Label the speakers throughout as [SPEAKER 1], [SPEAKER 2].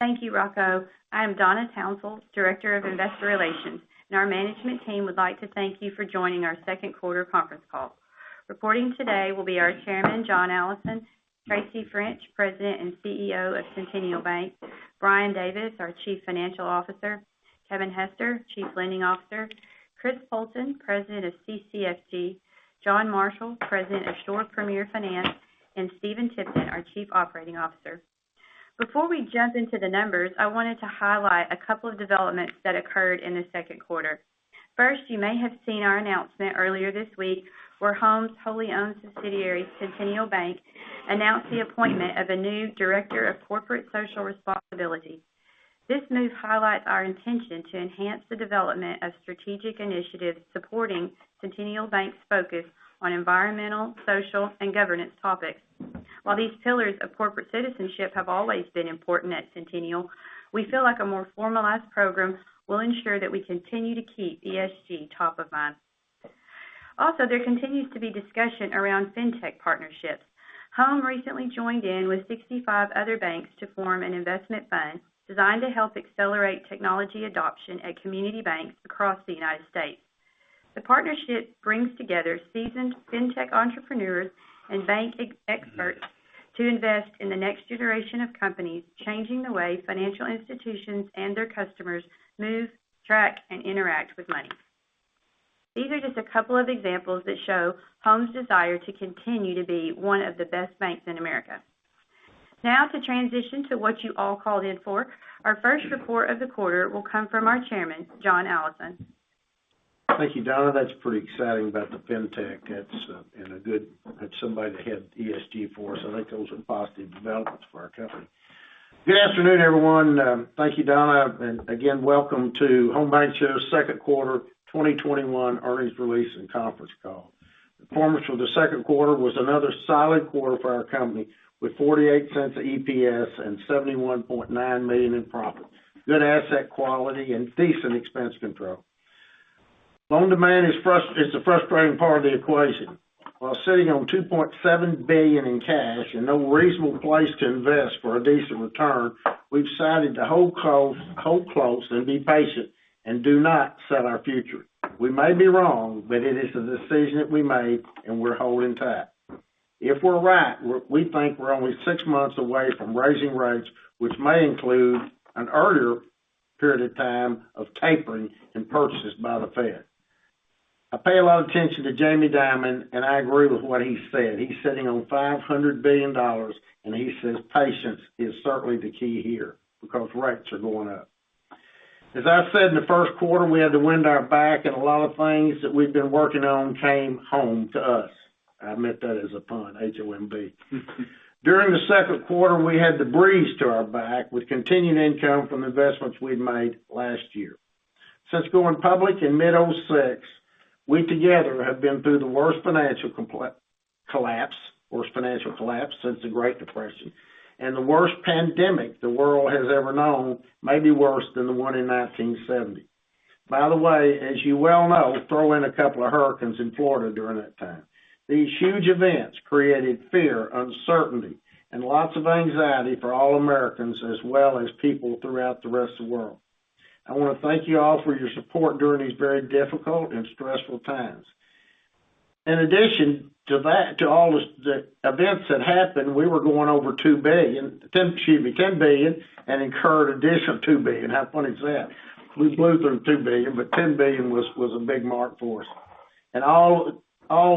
[SPEAKER 1] Thank you, Rocco. I am Donna Townsell, Director of Investor Relations, and our management team would like to thank you for joining our second quarter conference call. Reporting today will be our Chairman, John Allison; Tracy French, President and CEO of Centennial Bank; Brian Davis, our Chief Financial Officer; Kevin Hester, Chief Lending Officer; Chris Poulton, President of CCFG; John Marshall, President of Shore Premier Finance, and Stephen Tipton, our Chief Operating Officer. Before we jump into the numbers, I wanted to highlight a couple of developments that occurred in the second quarter. First, you may have seen our announcement earlier this week, where Home's wholly owned subsidiary, Centennial Bank, announced the appointment of a new Director of Corporate Social Responsibility. This move highlights our intention to enhance the development of strategic initiatives supporting Centennial Bank's focus on environmental, social, and governance topics. While these pillars of corporate citizenship have always been important at Centennial, we feel like a more formalized program will ensure that we continue to keep ESG top of mind. There continues to be discussion around fintech partnerships. Home recently joined in with 65 other banks to form an investment fund designed to help accelerate technology adoption at community banks across the United States. The partnership brings together seasoned fintech entrepreneurs and bank experts to invest in the next generation of companies, changing the way financial institutions and their customers move, track, and interact with money. These are just a couple of examples that show Home's desire to continue to be one of the best banks in America. To transition to what you all called in for, our first report of the quarter will come from our Chairman, John Allison.
[SPEAKER 2] Thank you, Donna. That's pretty exciting about the fintech. That's somebody to head ESG for us. I think those are positive developments for our company. Good afternoon, everyone. Thank you, Donna, and again, welcome to Home Bancshares' second quarter 2021 earnings release and conference call. Performance for the second quarter was another solid quarter for our company, with $0.48 EPS and $71.9 million in profit, good asset quality, and decent expense control. Loan demand is the frustrating part of the equation. While sitting on $2.7 billion in cash and no reasonable place to invest for a decent return, we've decided to hold close and be patient and do not sell our future. We may be wrong, but it is a decision that we made, and we're holding tight. If we're right, we think we're only six months away from raising rates, which may include an earlier period of time of tapering and purchases by the Fed. I pay a lot of attention to Jamie Dimon, and I agree with what he said. He's sitting on $500 billion, and he says patience is certainly the key here because rates are going up. As I said, in the first quarter, we had the wind at our back, and a lot of things that we'd been working on came home to us. I meant that as a pun, HOMB. During the second quarter, we had the breeze to our back with continued income from investments we'd made last year. Since going public in mid 2006, we together have been through the worst financial collapse since the Great Depression and the worst pandemic the world has ever known, maybe worse than the one in 1918. As you well know, throw in a couple hurricanes in Florida during that time. These huge events created fear, uncertainty, and lots of anxiety for all Americans, as well as people throughout the rest of the world. I want to thank you all for your support during these very difficult and stressful times. In addition to all the events that happened, we were going over $10 billion, and incurred additional $2 billion. How funny is that. We blew through $2 billion, $10 billion was a big mark for us. All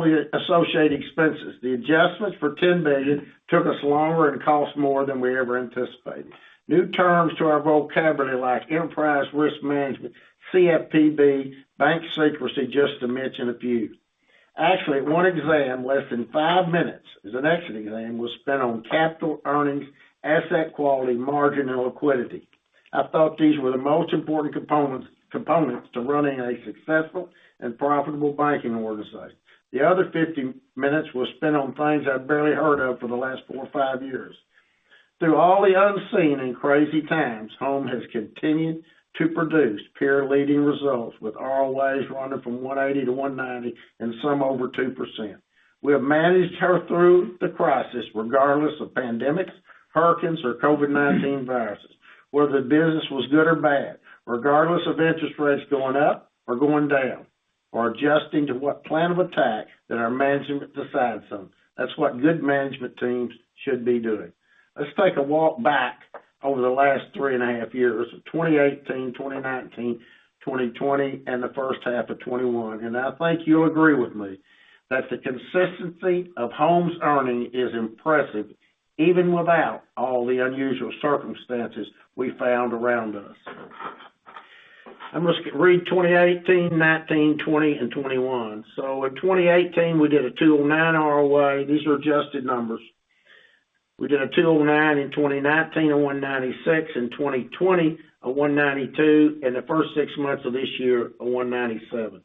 [SPEAKER 2] the associated expenses, the adjustments for $10 billion took us longer and cost more than we ever anticipated. New terms to our vocabulary like enterprise risk management, CFPB, bank secrecy, just to mention a few. Actually, one exam, less than five minutes, it was an exit exam, was spent on capital earnings, asset quality, margin, and liquidity. I thought these were the most important components to running a successful and profitable banking organization. The other 50-minutes was spent on things I've barely heard of for the last four or five years. Through all the unseen and crazy times, Home has continued to produce peer-leading results, with ROAs running from 180%-190%, and some over 2%. We have managed her through the crisis, regardless of pandemics, hurricanes, or COVID-19 viruses. Whether the business was good or bad, regardless of interest rates going up or going down, or adjusting to what plan of attack that our management decides on. That's what good management teams should be doing. Let's take a walk back over the last three and a half years, so 2018, 2019, 2020, and the first half of 2021, and I think you'll agree with me that the consistency of Home's earnings is impressive, even without all the unusual circumstances we found around us. I'm just going to read 2018, 2019, 2020, and 2021. In 2018, we did a 2.09% ROA. These are adjusted numbers. We did a 2.09% in 2019, a 1.96% in 2020, a 1.92% in the first six months of this year, a 1.97%.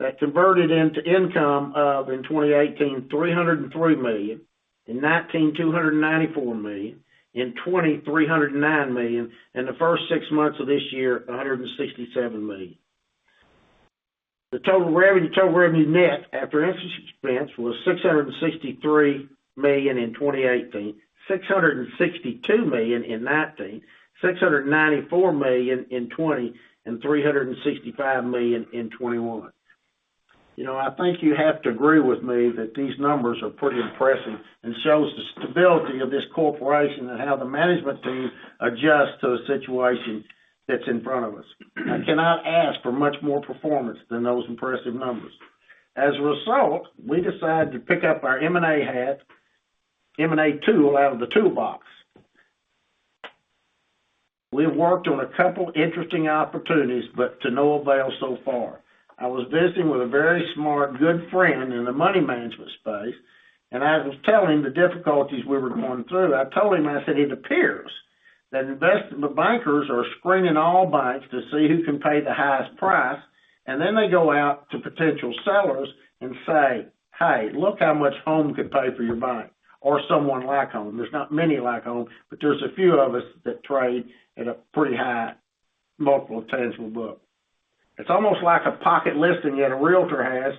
[SPEAKER 2] That converted into income of, in 2018, $303 million. In 2019, $294 million. In 2020, $309 million. In the first six months of this year, $167 million. The total revenue net after interest expense was $663 million in 2018, $662 million in 2019, $694 million in 2020, and $365 million in 2021. I think you have to agree with me that these numbers are pretty impressive and shows the stability of this corporation and how the management team adjusts to a situation that's in front of us. I cannot ask for much more performance than those impressive numbers. As a result, we decided to pick up our M&A hat, M&A tool, out of the toolbox. We have worked on a couple interesting opportunities, but to no avail so far. I was visiting with a very smart good friend in the money management space, and as I was telling him the difficulties we were going through, I told him, I said, "It appears that investment bankers are screening all banks to see who can pay the highest price, and then they go out to potential sellers and say, 'Hey, look how much Home could pay for your bank,' or someone like Home." There's not many like Home, but there's a few of us that trade at a pretty high multiple of tangible book. It's almost like a pocket listing that a realtor has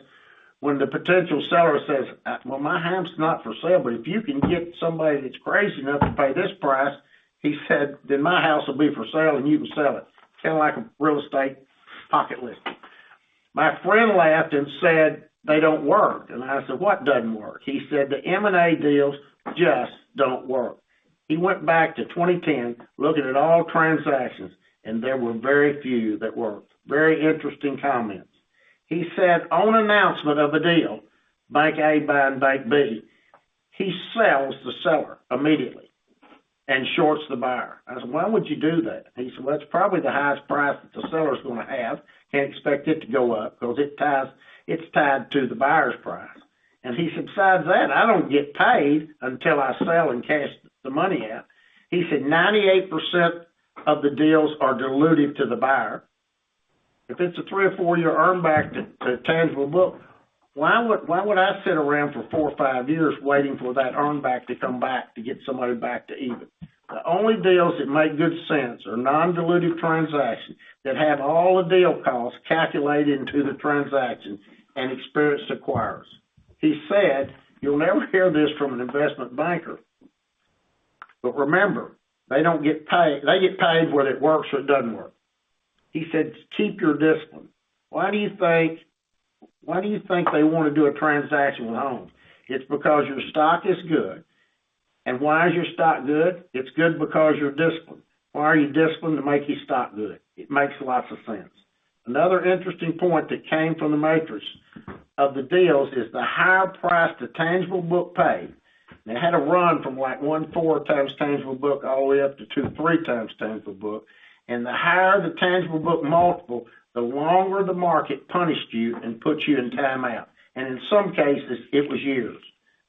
[SPEAKER 2] when the potential seller says, "Well, my home's not for sale, but if you can get somebody that's crazy enough to pay this price," he said, "Then my house will be for sale, and you can sell it." Kind of like a real estate pocket listing. My friend laughed and said, "They don't work." I said, "What doesn't work?" He said, "The M&A deals just don't work." He went back to 2010, looking at all transactions, there were very few that worked. Very interesting comments. He said, "On announcement of a deal, bank A buying bank B, he sells the seller immediately and shorts the buyer." I said, "Why would you do that?" He said, "Well, that's probably the highest price that the seller's going to have, can't expect it to go up because it's tied to the buyer's price." He said, "Besides that, I don't get paid until I sell and cash the money out." He said 98% of the deals are dilutive to the buyer. If it's a three or four-year earn back to tangible book, why would I sit around for four or five years waiting for that earn back to come back to get somebody back to even? The only deals that make good sense are non-dilutive transactions that have all the deal costs calculated into the transaction and experienced acquirers. He said, "You'll never hear this from an investment banker, but remember, they get paid whether it works or it doesn't work." He said, "Keep your discipline. Why do you think they want to do a transaction with Home? It's because your stock is good. Why is your stock good? It's good because you're disciplined. Why are you disciplined? To make your stock good." It makes lots of sense. Another interesting point that came from the matrix of the deals is the higher price the tangible book paid, and it had a run from 1x, 4x tangible book all the way up to 2x, 3x tangible book, and the higher the tangible book multiple, the longer the market punished you and put you in time out, and in some cases, it was years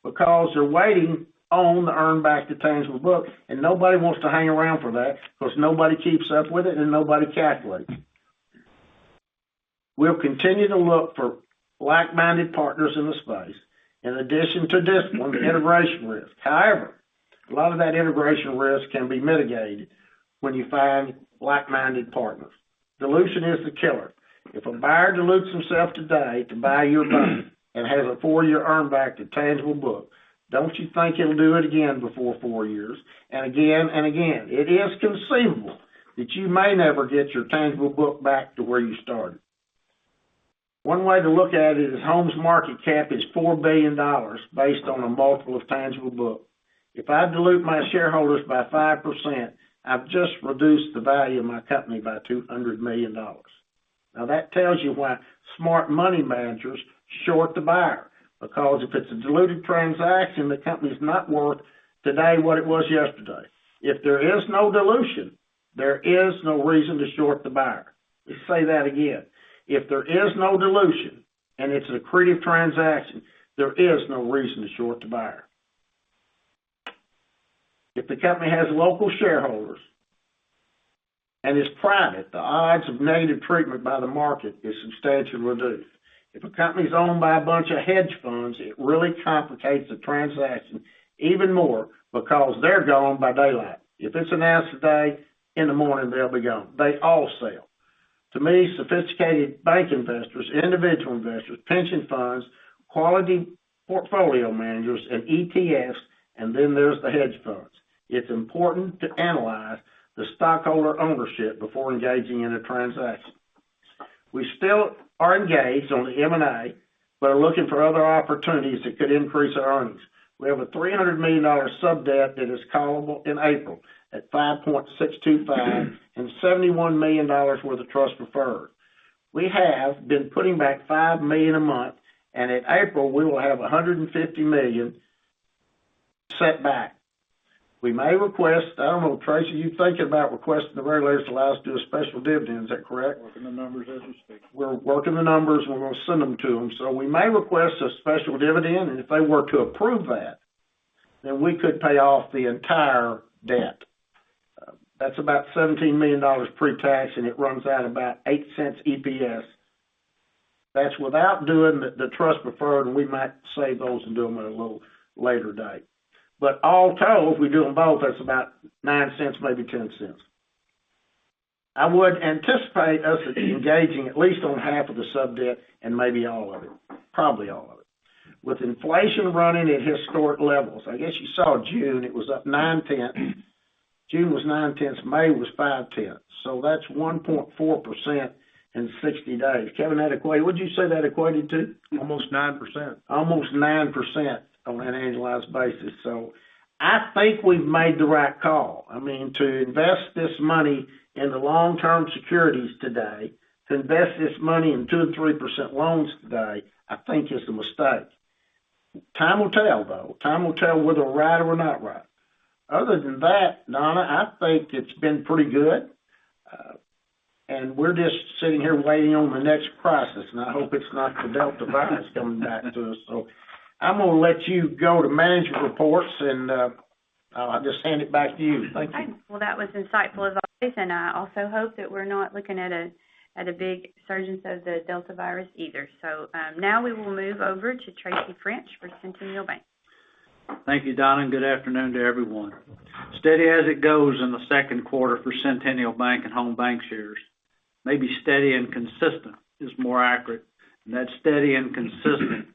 [SPEAKER 2] because they're waiting on the earn back to tangible book, and nobody wants to hang around for that because nobody keeps up with it and nobody calculates it. However, a lot of that integration risk can be mitigated when you find like-minded partners. Dilution is the killer. If a buyer dilutes himself today to buy your bank and has a four-year earn back to tangible book, don't you think he'll do it again before four years, and again, and again? It is conceivable that you may never get your tangible book back to where you started. One way to look at it is Home's market cap is $4 billion based on a multiple of tangible book. If I dilute my shareholders by 5%, I've just reduced the value of my company by $200 million. That tells you why smart money managers short the buyer, because if it's a dilutive transaction, the company's not worth today what it was yesterday. If there is no dilution, there is no reason to short the buyer. Let's say that again. If there is no dilution, and it's an accretive transaction, there is no reason to short the buyer. If the company has local shareholders and is private, the odds of negative treatment by the market is substantially reduced. If a company's owned by a bunch of hedge funds, it really complicates the transaction even more because they're gone by daylight. If it's announced today, in the morning, they'll be gone. They all sell. To me, sophisticated bank investors, individual investors, pension funds, quality portfolio managers, and ETFs, and then there's the hedge funds. It's important to analyze the stockholder ownership before engaging in a transaction. We still are engaged on the M&A, but are looking for other opportunities that could increase our earnings. We have a $300 million sub-debt that is callable in April at 5.625% and $71 million worth of trust preferred. We have been putting back $5 million a month, and in April, we will have $150 million set back. We may request I don't know, Tracy, you thinking about requesting the regulators allow us to do a special dividend, is that correct?
[SPEAKER 3] Working the numbers as we speak.
[SPEAKER 2] We're working the numbers. We're going to send them to them. We may request a special dividend, and if they were to approve that, then we could pay off the entire debt. That's about $17 million pre-tax, and it runs out about $0.08 EPS. That's without doing the trust preferred, and we might save those and do them at a little later date. All told, if we do them both, that's about $0.09, maybe $0.10. I would anticipate us engaging at least on half of the sub-debt and maybe all of it, probably all of it. With inflation running at historic levels, I guess you saw June, it was up 9/10. June was 9/10, May was 5/10, so that's 1.4% in 60 days. Kevin, what'd you say that equated to?
[SPEAKER 4] Almost 9%.
[SPEAKER 2] Almost 9% on an annualized basis. I think we've made the right call. To invest this money in the long-term securities today, to invest this money in 2% or 3% loans today, I think is a mistake. Time will tell, though. Time will tell whether we're right or we're not right. Other than that, Donna, I think it's been pretty good. We're just sitting here waiting on the next crisis, and I hope it's not the Delta variant coming back to us. I'm going to let you go to management reports, and I'll just hand it back to you. Thank you.
[SPEAKER 1] Well, that was insightful as always, and I also hope that we're not looking at a big resurgence of the Delta variant either. Now we will move over to Tracy French for Centennial Bank.
[SPEAKER 3] Thank you, Donna, and good afternoon to everyone. Steady as it goes in the second quarter for Centennial Bank and Home Bancshares. Maybe steady and consistent is more accurate, and that steady and consistent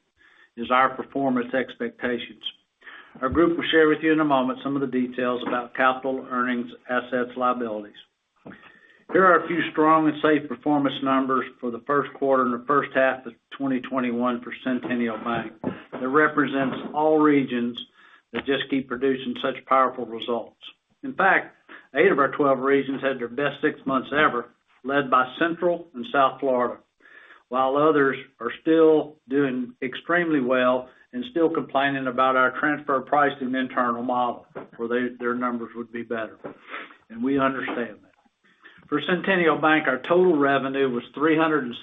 [SPEAKER 3] is our performance expectations. Our Group will share with you in a moment some of the details about capital earnings, assets, liabilities. Here are a few strong and safe performance numbers for the first quarter and the first half of 2021 for Centennial Bank, that represents all regions that just keep producing such powerful results. In fact, eight of our 12 regions had their best six months ever, led by Central and South Florida, while others are still doing extremely well and still complaining about our transfer price and internal model, where their numbers would be better, and we understand that. For Centennial Bank, our total revenue was $367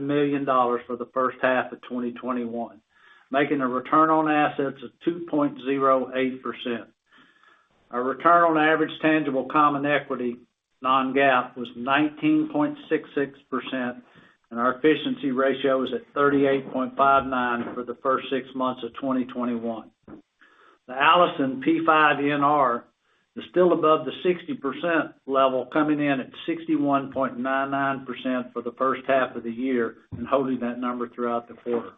[SPEAKER 3] million for the first half of 2021, making a return on assets of 2.08%. Our return on average tangible common equity non-GAAP was 19.66%, and our efficiency ratio was at 38.59% for the first six months of 2021. The Allison P5NR is still above the 60% level, coming in at 61.99% for the first half of the year and holding that number throughout the quarter.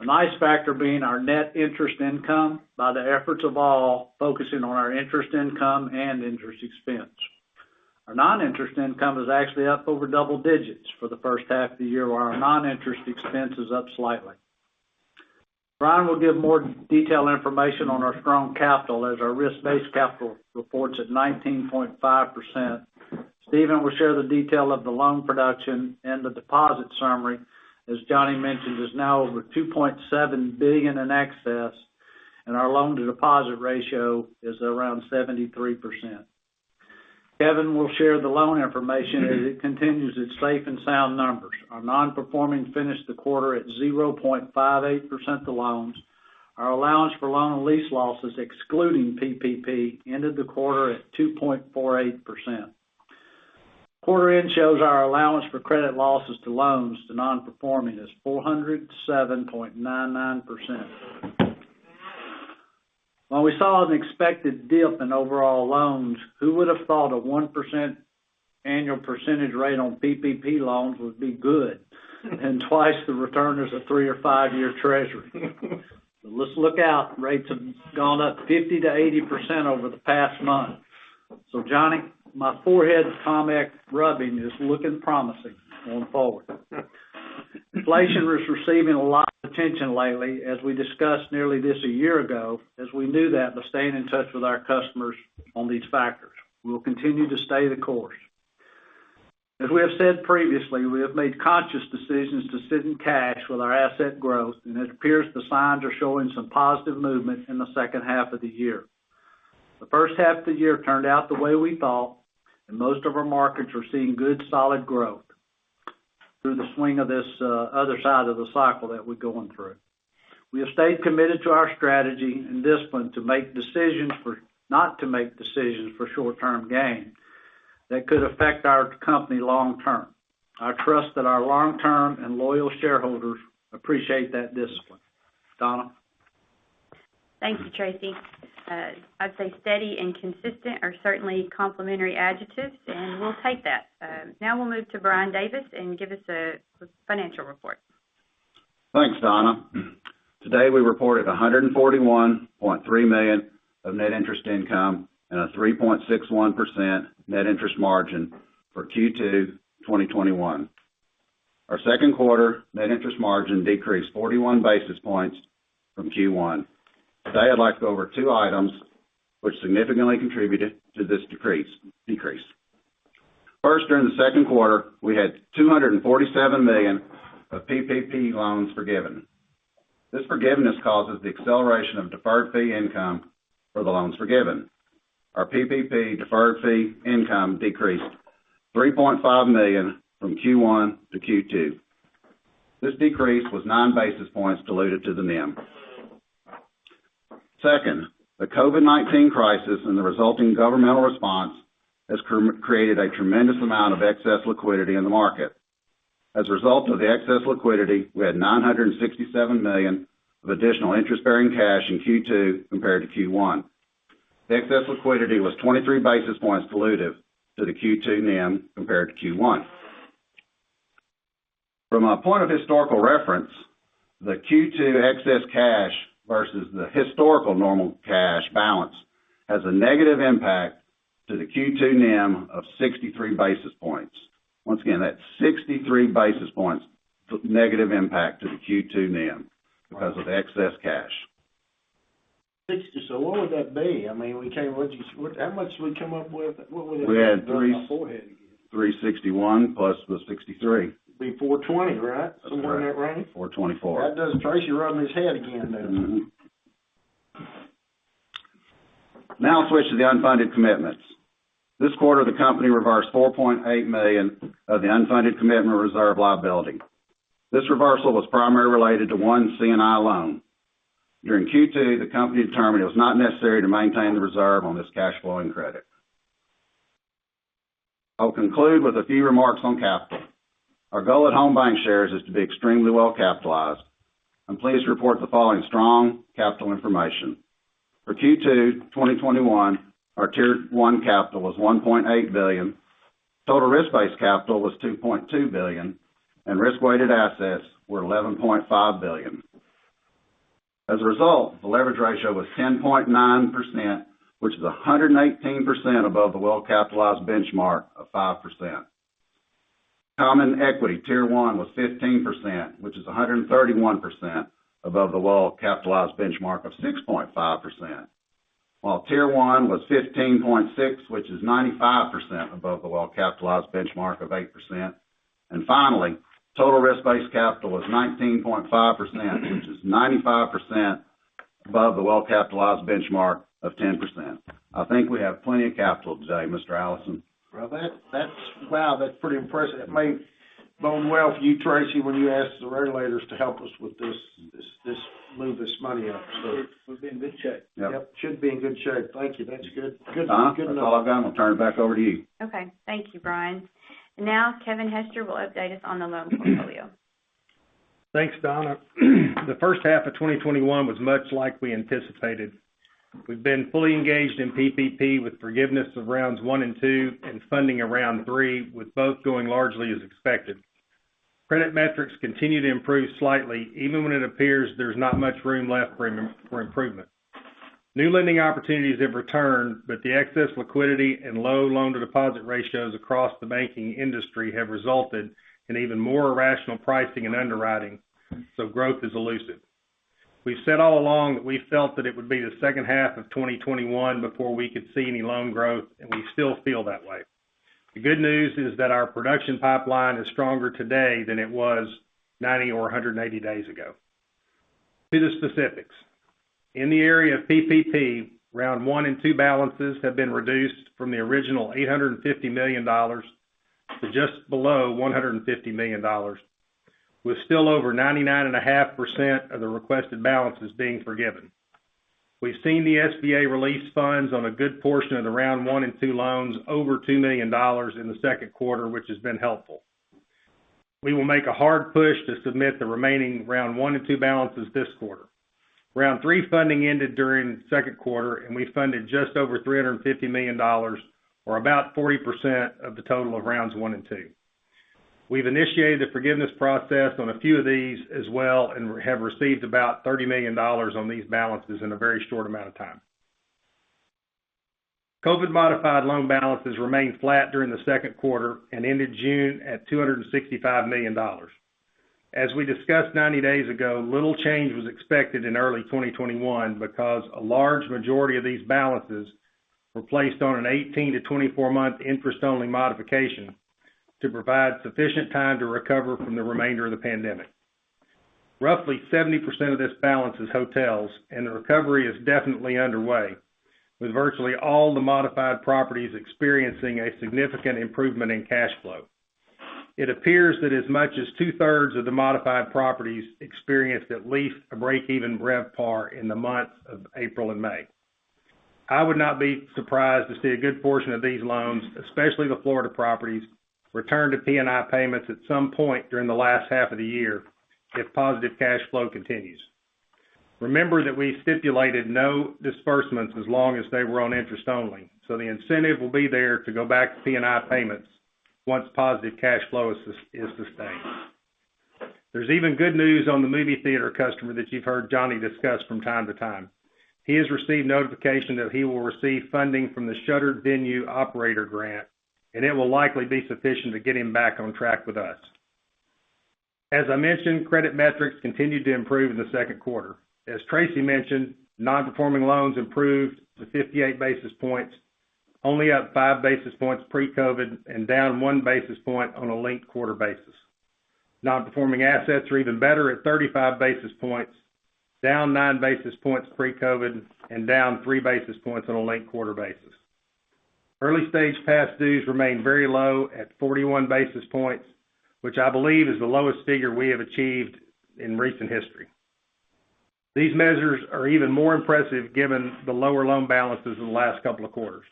[SPEAKER 3] A nice factor being our net interest income, by the efforts of all focusing on our interest income and interest expense. Our non-interest income is actually up over double digits for the first half of the year, while our non-interest expense is up slightly. Brian will give more detailed information on our strong capital, as our risk-based capital reports at 19.5%. Stephen Tipton will share the detail of the loan production and the deposit summary, as Johnny mentioned, is now over $2.7 billion in excess, and our loan-to-deposit ratio is around 73%. Kevin Hester will share the loan information as it continues its safe and sound numbers. Our non-performing finished the quarter at 0.58% to loans. Our allowance for loan and lease losses, excluding PPP, ended the quarter at 2.48%. Quarter end shows our allowance for credit losses to loans to non-performing is 407.99%. While we saw an expected dip in overall loans, who would have thought a 1% annual percentage rate on PPP loans would be good and twice the return as a three or five-year Treasury? Rates have gone up 50%-80% over the past month. Johnny, my forehead [comment] rubbing is looking promising going forward. Inflation is receiving a lot of attention lately, as we discussed nearly this a year ago, as we knew that by staying in touch with our customers on these factors. We will continue to stay the course. As we have said previously, we have made conscious decisions to sit in cash with our asset growth, and it appears the signs are showing some positive movement in the second half of the year. The first half of the year turned out the way we thought, and most of our markets are seeing good, solid growth through the swing of this other side of the cycle that we're going through. We have stayed committed to our strategy and discipline to not make decisions for short-term gain that could affect our company long term. I trust that our long-term and loyal shareholders appreciate that discipline. Donna?
[SPEAKER 1] Thank you, Tracy. I'd say steady and consistent are certainly complimentary adjectives, and we'll take that. Now we'll move to Brian Davis, and give us a financial report.
[SPEAKER 5] Thanks, Donna. Today we reported $141.3 million of net interest income and a 3.61% net interest margin for Q2 2021. Our second quarter net interest margin decreased 41 basis points from Q1. Today, I'd like to go over two items which significantly contributed to this decrease. First, during the second quarter, we had $247 million of PPP loans forgiven. This forgiveness causes the acceleration of deferred fee income for the loans forgiven. Our PPP deferred fee income decreased $3.5 million from Q1 to Q2. This decrease was 9 basis points diluted to the NIM. Second, the COVID-19 crisis and the resulting governmental response has created a tremendous amount of excess liquidity in the market. As a result of the excess liquidity, we had $967 million of additional interest-bearing cash in Q2 compared to Q1. The excess liquidity was 23 basis points dilutive to the Q2 NIM compared to Q1. From a point of historical reference, the Q2 excess cash versus the historical normal cash balance has a negative impact to the Q2 NIM of 63 basis points. Once again, that's 63 basis points negative impact to the Q2 NIM because of excess cash.
[SPEAKER 2] $60, what would that be? How much did we come up with? What would that be?
[SPEAKER 5] We had 361 [basis points] plus the 63 [basis points].
[SPEAKER 2] It'd be 420 [basis points], right?
[SPEAKER 5] That's correct.
[SPEAKER 2] Somewhere in that range?
[SPEAKER 5] 424 [basis points].
[SPEAKER 2] Tracy rubbing his head again, doesn't it?
[SPEAKER 5] Now I'll switch to the unfunded commitments. This quarter, the company reversed $4.8 million of the unfunded commitment reserve liability. This reversal was primarily related to one C&I loan. During Q2, the company determined it was not necessary to maintain the reserve on this cash flowing credit. I'll conclude with a few remarks on capital. Our goal at Home BancShares is to be extremely well capitalized. I'm pleased to report the following strong capital information. For Q2 2021, our Tier 1 capital was $1.8 billion, total risk-based capital was $2.2 billion, and risk-weighted assets were $11.5 billion. The leverage ratio was 10.9%, which is 118% above the well-capitalized benchmark of 5%. Common Equity Tier 1 was 15%, which is 131% above the well-capitalized benchmark of 6.5%, while Tier 1 was 15.6%, which is 95% above the well-capitalized benchmark of 8%. Finally, total risk-based capital was 19.5%, which is 95% above the well-capitalized benchmark of 10%. I think we have plenty of capital today, Mr. Allison.
[SPEAKER 2] Well, wow, that's pretty impressive. It may bode well for you, Tracy, when you ask the regulators to help us with this, move this money up.
[SPEAKER 3] We'll be in good shape.
[SPEAKER 2] Yep, should be in good shape. Thank you. That's good. Good to know.
[SPEAKER 5] Donna, that's all I've got, and I'll turn it back over to you.
[SPEAKER 1] Okay. Thank you, Brian. Now, Kevin Hester will update us on the loan portfolio.
[SPEAKER 4] Thanks, Donna. The first half of 2021 was much like we anticipated. We've been fully engaged in PPP with forgiveness of rounds one and two and funding of round three, with both going largely as expected. Credit metrics continue to improve slightly, even when it appears there's not much room left for improvement. New lending opportunities have returned, but the excess liquidity and low loan-to-deposit ratios across the banking industry have resulted in even more irrational pricing and underwriting, so growth is elusive. We've said all along that we felt that it would be the second half of 2021 before we could see any loan growth, and we still feel that way. The good news is that our production pipeline is stronger today than it was 90 or 180 days ago. To the specifics, in the area of PPP, round one and two balances have been reduced from the original $850 million to just below $150 million, with still over 99.5% of the requested balances being forgiven. We've seen the SBA release funds on a good portion of the round one and two loans, over $2 million in the second quarter, which has been helpful. We will make a hard push to submit the remaining round one and two balances this quarter. Round three funding ended during the second quarter, we funded just over $350 million, or about 40% of the total of rounds one and two. We've initiated the forgiveness process on a few of these as well, have received about $30 million on these balances in a very short amount of time. COVID modified loan balances remained flat during the second quarter and ended June at $265 million. As we discussed 90 days ago, little change was expected in early 2021 because a large majority of these balances were placed on an 18 to 24-month interest-only modification to provide sufficient time to recover from the remainder of the pandemic. Roughly 70% of this balance is hotels, and the recovery is definitely underway, with virtually all the modified properties experiencing a significant improvement in cash flow. It appears that as much as two-thirds of the modified properties experienced at least a break-even RevPAR in the months of April and May. I would not be surprised to see a good portion of these loans, especially the Florida properties, return to P&I payments at some point during the last half of the year if positive cash flow continues. Remember that we stipulated no disbursements as long as they were on interest only, so the incentive will be there to go back to P&I payments once positive cash flow is sustained. There's even good news on the movie theater customer that you've heard Johnny discuss from time to time. He has received notification that he will receive funding from the Shuttered Venue Operator Grant, and it will likely be sufficient to get him back on track with us. As I mentioned, credit metrics continued to improve in the second quarter. As Tracy mentioned, non-performing loans improved to 58 basis points, only up 5 basis points pre-COVID, and down 1 basis point on a linked-quarter basis. Non-performing assets are even better at 35 basis points, down 9 basis points pre-COVID, and down 3 basis points on a linked-quarter basis. Early stage past dues remain very low at 41 basis points, which I believe is the lowest figure we have achieved in recent history. These measures are even more impressive given the lower loan balances in the last couple of quarters.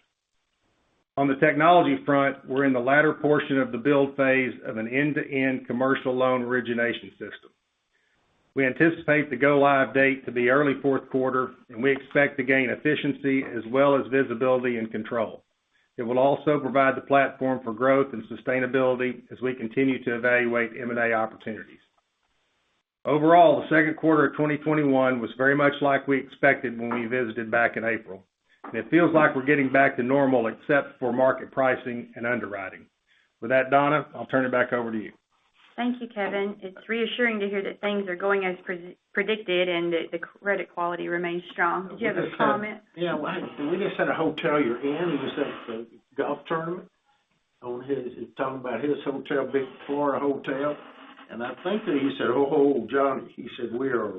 [SPEAKER 4] On the technology front, we're in the latter portion of the build phase of an end-to-end commercial loan origination system. We anticipate the go-live date to be early fourth quarter, and we expect to gain efficiency as well as visibility and control. It will also provide the platform for growth and sustainability as we continue to evaluate M&A opportunities. Overall, the second quarter of 2021 was very much like we expected when we visited back in April. It feels like we're getting back to normal, except for market pricing and underwriting. With that, Donna, I'll turn it back over to you.
[SPEAKER 1] Thank you, Kevin. It's reassuring to hear that things are going as predicted and that the credit quality remains strong. Do you have a comment?
[SPEAKER 2] Yeah. Well, we just had a hotel you're in, you just had the golf tournament. Talking about his hotel, big Florida hotel, and I think that he said, "Oh, John," he said, "We are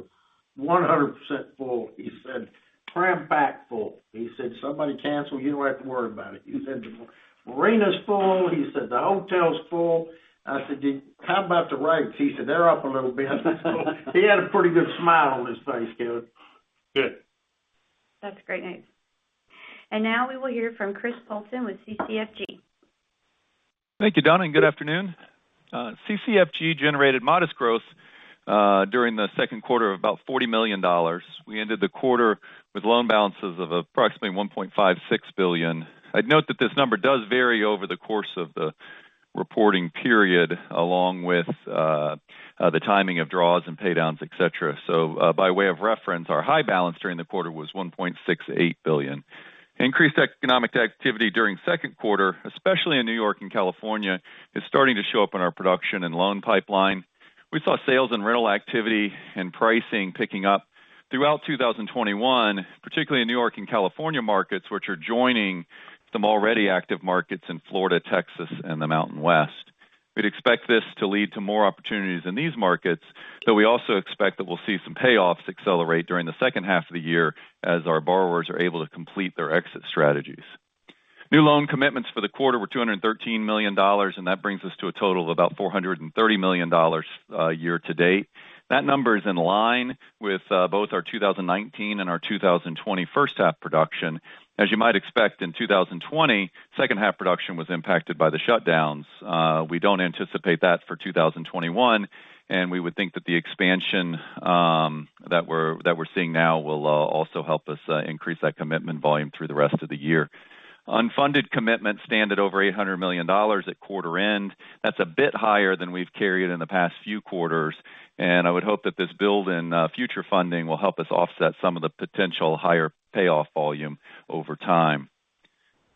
[SPEAKER 2] 100% full." He said, "Crammed packed full." He said, "Somebody cancel, you don't have to worry about it." He said, "The marina's full." He said, "The hotel's full." I said, "How about the rates?" He said, "They're up a little bit." He had a pretty good smile on his face, Kevin.
[SPEAKER 4] Good.
[SPEAKER 1] That's great news. Now we will hear from Chris Poulton with CCFG.
[SPEAKER 6] Thank you, Donna, and good afternoon. CCFG generated modest growth during the second quarter of about $40 million. We ended the quarter with loan balances of approximately $1.56 billion. I'd note that this number does vary over the course of the reporting period, along with the timing of draws and paydowns, et cetera. By way of reference, our high balance during the quarter was $1.68 billion. Increased economic activity during second quarter, especially in New York and California, is starting to show up in our production and loan pipeline. We saw sales and rental activity and pricing picking up throughout 2021, particularly in New York and California markets, which are joining some already active markets in Florida, Texas, and the Mountain West. We'd expect this to lead to more opportunities in these markets, but we also expect that we'll see some payoffs accelerate during the second half of the year as our borrowers are able to complete their exit strategies. New loan commitments for the quarter were $213 million, and that brings us to a total of about $430 million year-to-date. That number is in line with both our 2019 and our 2020 first half production. As you might expect in 2020, second half production was impacted by the shutdowns. We don't anticipate that for 2021, and we would think that the expansion that we're seeing now will also help us increase that commitment volume through the rest of the year. Unfunded commitments stand at over $800 million at quarter end. That's a bit higher than we've carried in the past few quarters, and I would hope that this build in future funding will help us offset some of the potential higher payoff volume over time.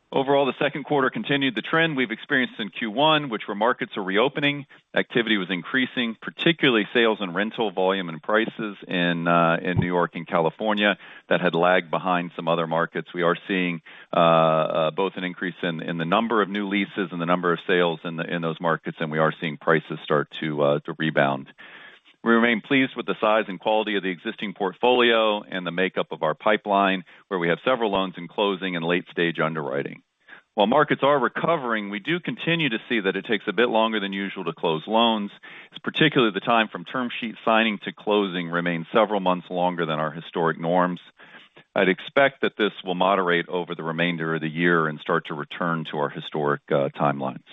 [SPEAKER 6] Overall, the second quarter continued the trend we've experienced in Q1, which were markets are reopening, activity was increasing, particularly sales and rental volume and prices in New York and California that had lagged behind some other markets. We are seeing both an increase in the number of new leases and the number of sales in those markets, and we are seeing prices start to rebound. We remain pleased with the size and quality of the existing portfolio and the makeup of our pipeline, where we have several loans in closing and late-stage underwriting. While markets are recovering, we do continue to see that it takes a bit longer than usual to close loans, as particularly the time from term sheet signing to closing remains several months longer than our historic norms. I'd expect that this will moderate over the remainder of the year and start to return to our historic timelines.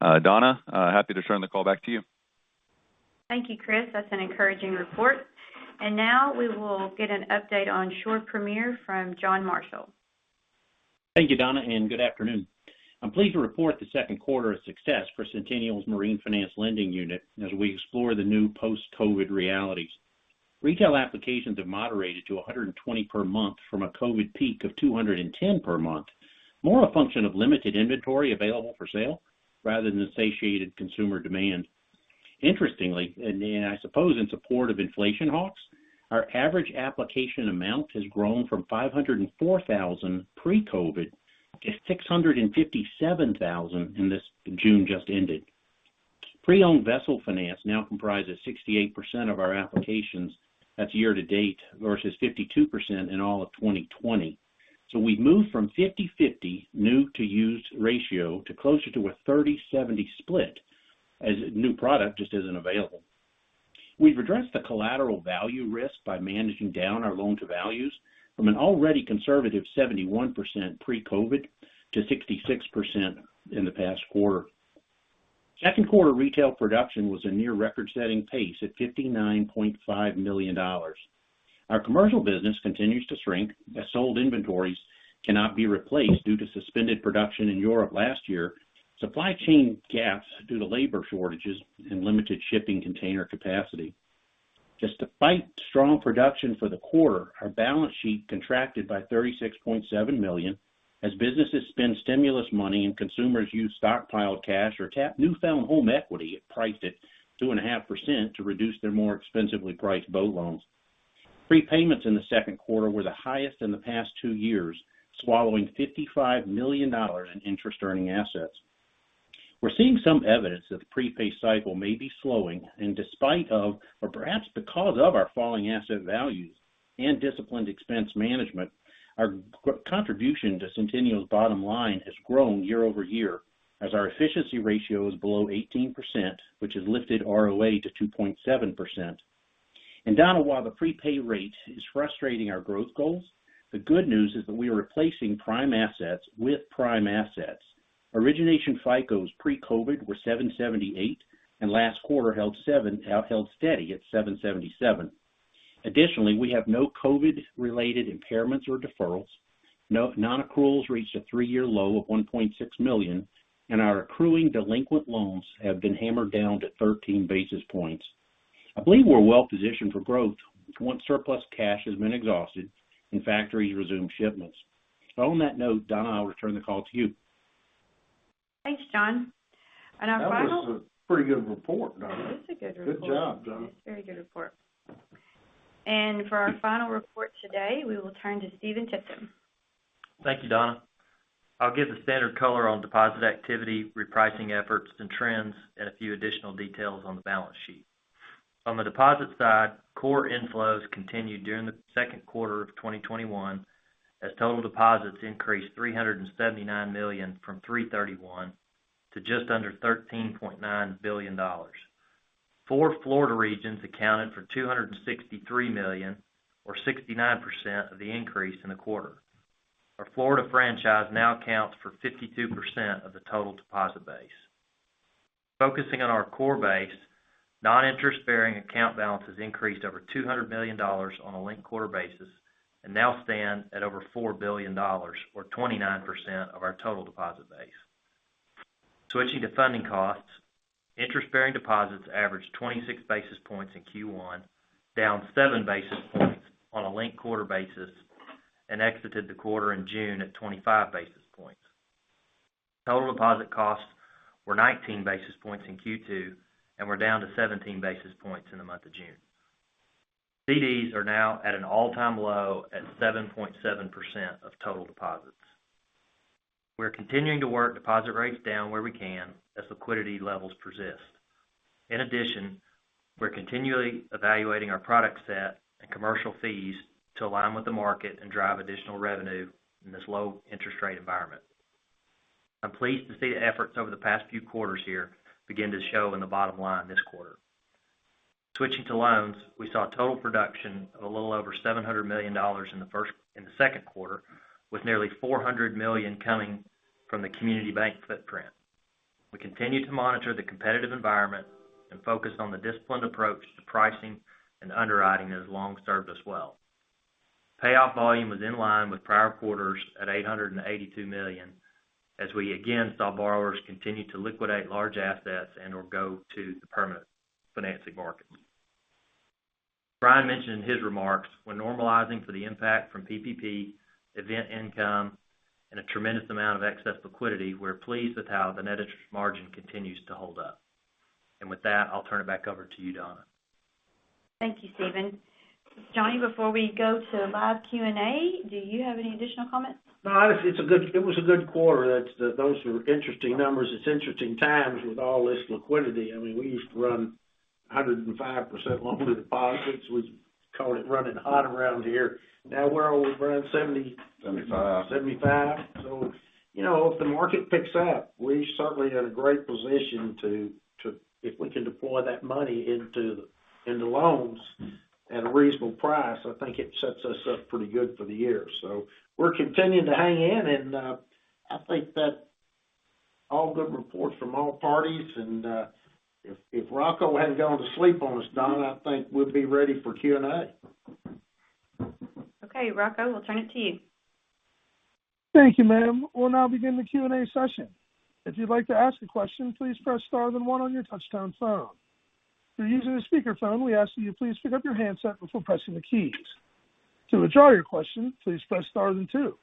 [SPEAKER 6] Donna, happy to turn the call back to you.
[SPEAKER 1] Thank you, Chris. That's an encouraging report. Now we will get an update on Shore Premier from John Marshall.
[SPEAKER 7] Thank you, Donna, and good afternoon. I'm pleased to report the second quarter of success for Centennial's Marine Finance lending unit as we explore the new post-COVID realities. Retail applications have moderated to 120 per month from a COVID peak of 210 per month. More a function of limited inventory available for sale rather than satiated consumer demand. Interestingly, and I suppose in support of inflation hawks, our average application amount has grown from $504,000 pre-COVID to $657,000 in this June just ended. Pre-owned vessel finance now comprises 68% of our applications. That's year-to-date versus 52% in all of 2020. We've moved from 50/50 new to used ratio to closer to a 30/70 split as new product just isn't available. We've addressed the collateral value risk by managing down our loan to values from an already conservative 71% pre-COVID to 66% in the past quarter. Second quarter retail production was a near record-setting pace at $59.5 million. Our Commercial business continues to shrink as sold inventories cannot be replaced due to suspended production in Europe last year, supply chain gaps due to labor shortages, and limited shipping container capacity. Despite strong production for the quarter, our balance sheet contracted by $36.7 million as businesses spend stimulus money and consumers use stockpiled cash or tap newfound home equity priced at 2.5% to reduce their more expensively priced boat loans. Prepayments in the second quarter were the highest in the past two years, swallowing $55 million in interest earning assets. We're seeing some evidence that the prepay cycle may be slowing, and despite of or perhaps because of our falling asset values and disciplined expense management, our contribution to Centennial's bottom line has grown year-over-year, as our efficiency ratio is below 18%, which has lifted ROA to 2.7%. Donna, while the prepay rate is frustrating our growth goals, the good news is that we are replacing prime assets with prime assets. Origination FICOs pre-COVID were 778, and last quarter held steady at 777. Additionally, we have no COVID related impairments or deferrals. Non-accruals reached a three-year low of $1.6 million, and our accruing delinquent loans have been hammered down to 13 basis points. I believe we're well-positioned for growth once surplus cash has been exhausted and factories resume shipments. On that note, Donna, I'll return the call to you.
[SPEAKER 1] Thanks, John.
[SPEAKER 2] That was a pretty good report, John.
[SPEAKER 1] It was a good report.
[SPEAKER 2] Good job, John.
[SPEAKER 1] Very good report. For our final report today, we will turn to Stephen Tipton.
[SPEAKER 8] Thank you, Donna. I'll give the standard color on deposit activity, repricing efforts, and trends, and a few additional details on the balance sheet. On the deposit side, core inflows continued during the second quarter of 2021, as total deposits increased $379 million from $331 to just under $13.9 billion. Four Florida regions accounted for $263 million, or 69% of the increase in the quarter. Our Florida franchise now accounts for 52% of the total deposit base. Focusing on our core base, non-interest-bearing account balances increased over $200 million on a linked quarter basis and now stand at over $4 billion, or 29% of our total deposit base. Switching to funding costs, interest-bearing deposits averaged 26 basis points in Q1, down 7 basis points on a linked quarter basis, and exited the quarter in June at 25 basis points. Total deposit costs were 19 basis points in Q2. We're down to 17 basis points in the month of June. CDs are now at an all-time low at 7.7% of total deposits. We're continuing to work deposit rates down where we can as liquidity levels persist. We're continually evaluating our product set and commercial fees to align with the market and drive additional revenue in this low interest rate environment. I'm pleased to see the efforts over the past few quarters here begin to show in the bottom line this quarter. Switching to loans, we saw total production of a little over $700 million in the second quarter, with nearly $400 million coming from the community bank footprint. We continue to monitor the competitive environment and focus on the disciplined approach to pricing and underwriting that has long served us well. Payoff volume was in line with prior quarters at $882 million, as we again saw borrowers continue to liquidate large assets and/or go to the permanent financing market. Brian mentioned in his remarks, we're normalizing for the impact from PPP, event income, and a tremendous amount of excess liquidity, we're pleased with how the net interest margin continues to hold up. With that, I'll turn it back over to you, Donna.
[SPEAKER 1] Thank you, Stephen. Johnny, before we go to live Q&A, do you have any additional comments?
[SPEAKER 2] No, it was a good quarter. Those are interesting numbers. It's interesting times with all this liquidity. We used to run 105% loan to deposits. We called it running hot around here. Now we're only around 70%—
[SPEAKER 8] 75% —75% if the market picks up, we're certainly in a great position. If we can deploy that money into loans at a reasonable price, I think it sets us up pretty good for the year. We're continuing to hang in, and I think that all good reports from all parties. If Rocco hadn't gone to sleep on us, Donna, I think we'd be ready for Q&A.
[SPEAKER 1] Okay, Rocco, we'll turn it to you.
[SPEAKER 9] Thank you, ma'am. We'll now begin the Q&A session. If you'd like to ask a question, please press star then one on your touchtone phone. If you're using a speakerphone, we ask that you please pick up your handset before pressing the keys. To withdraw your question, please press star then two.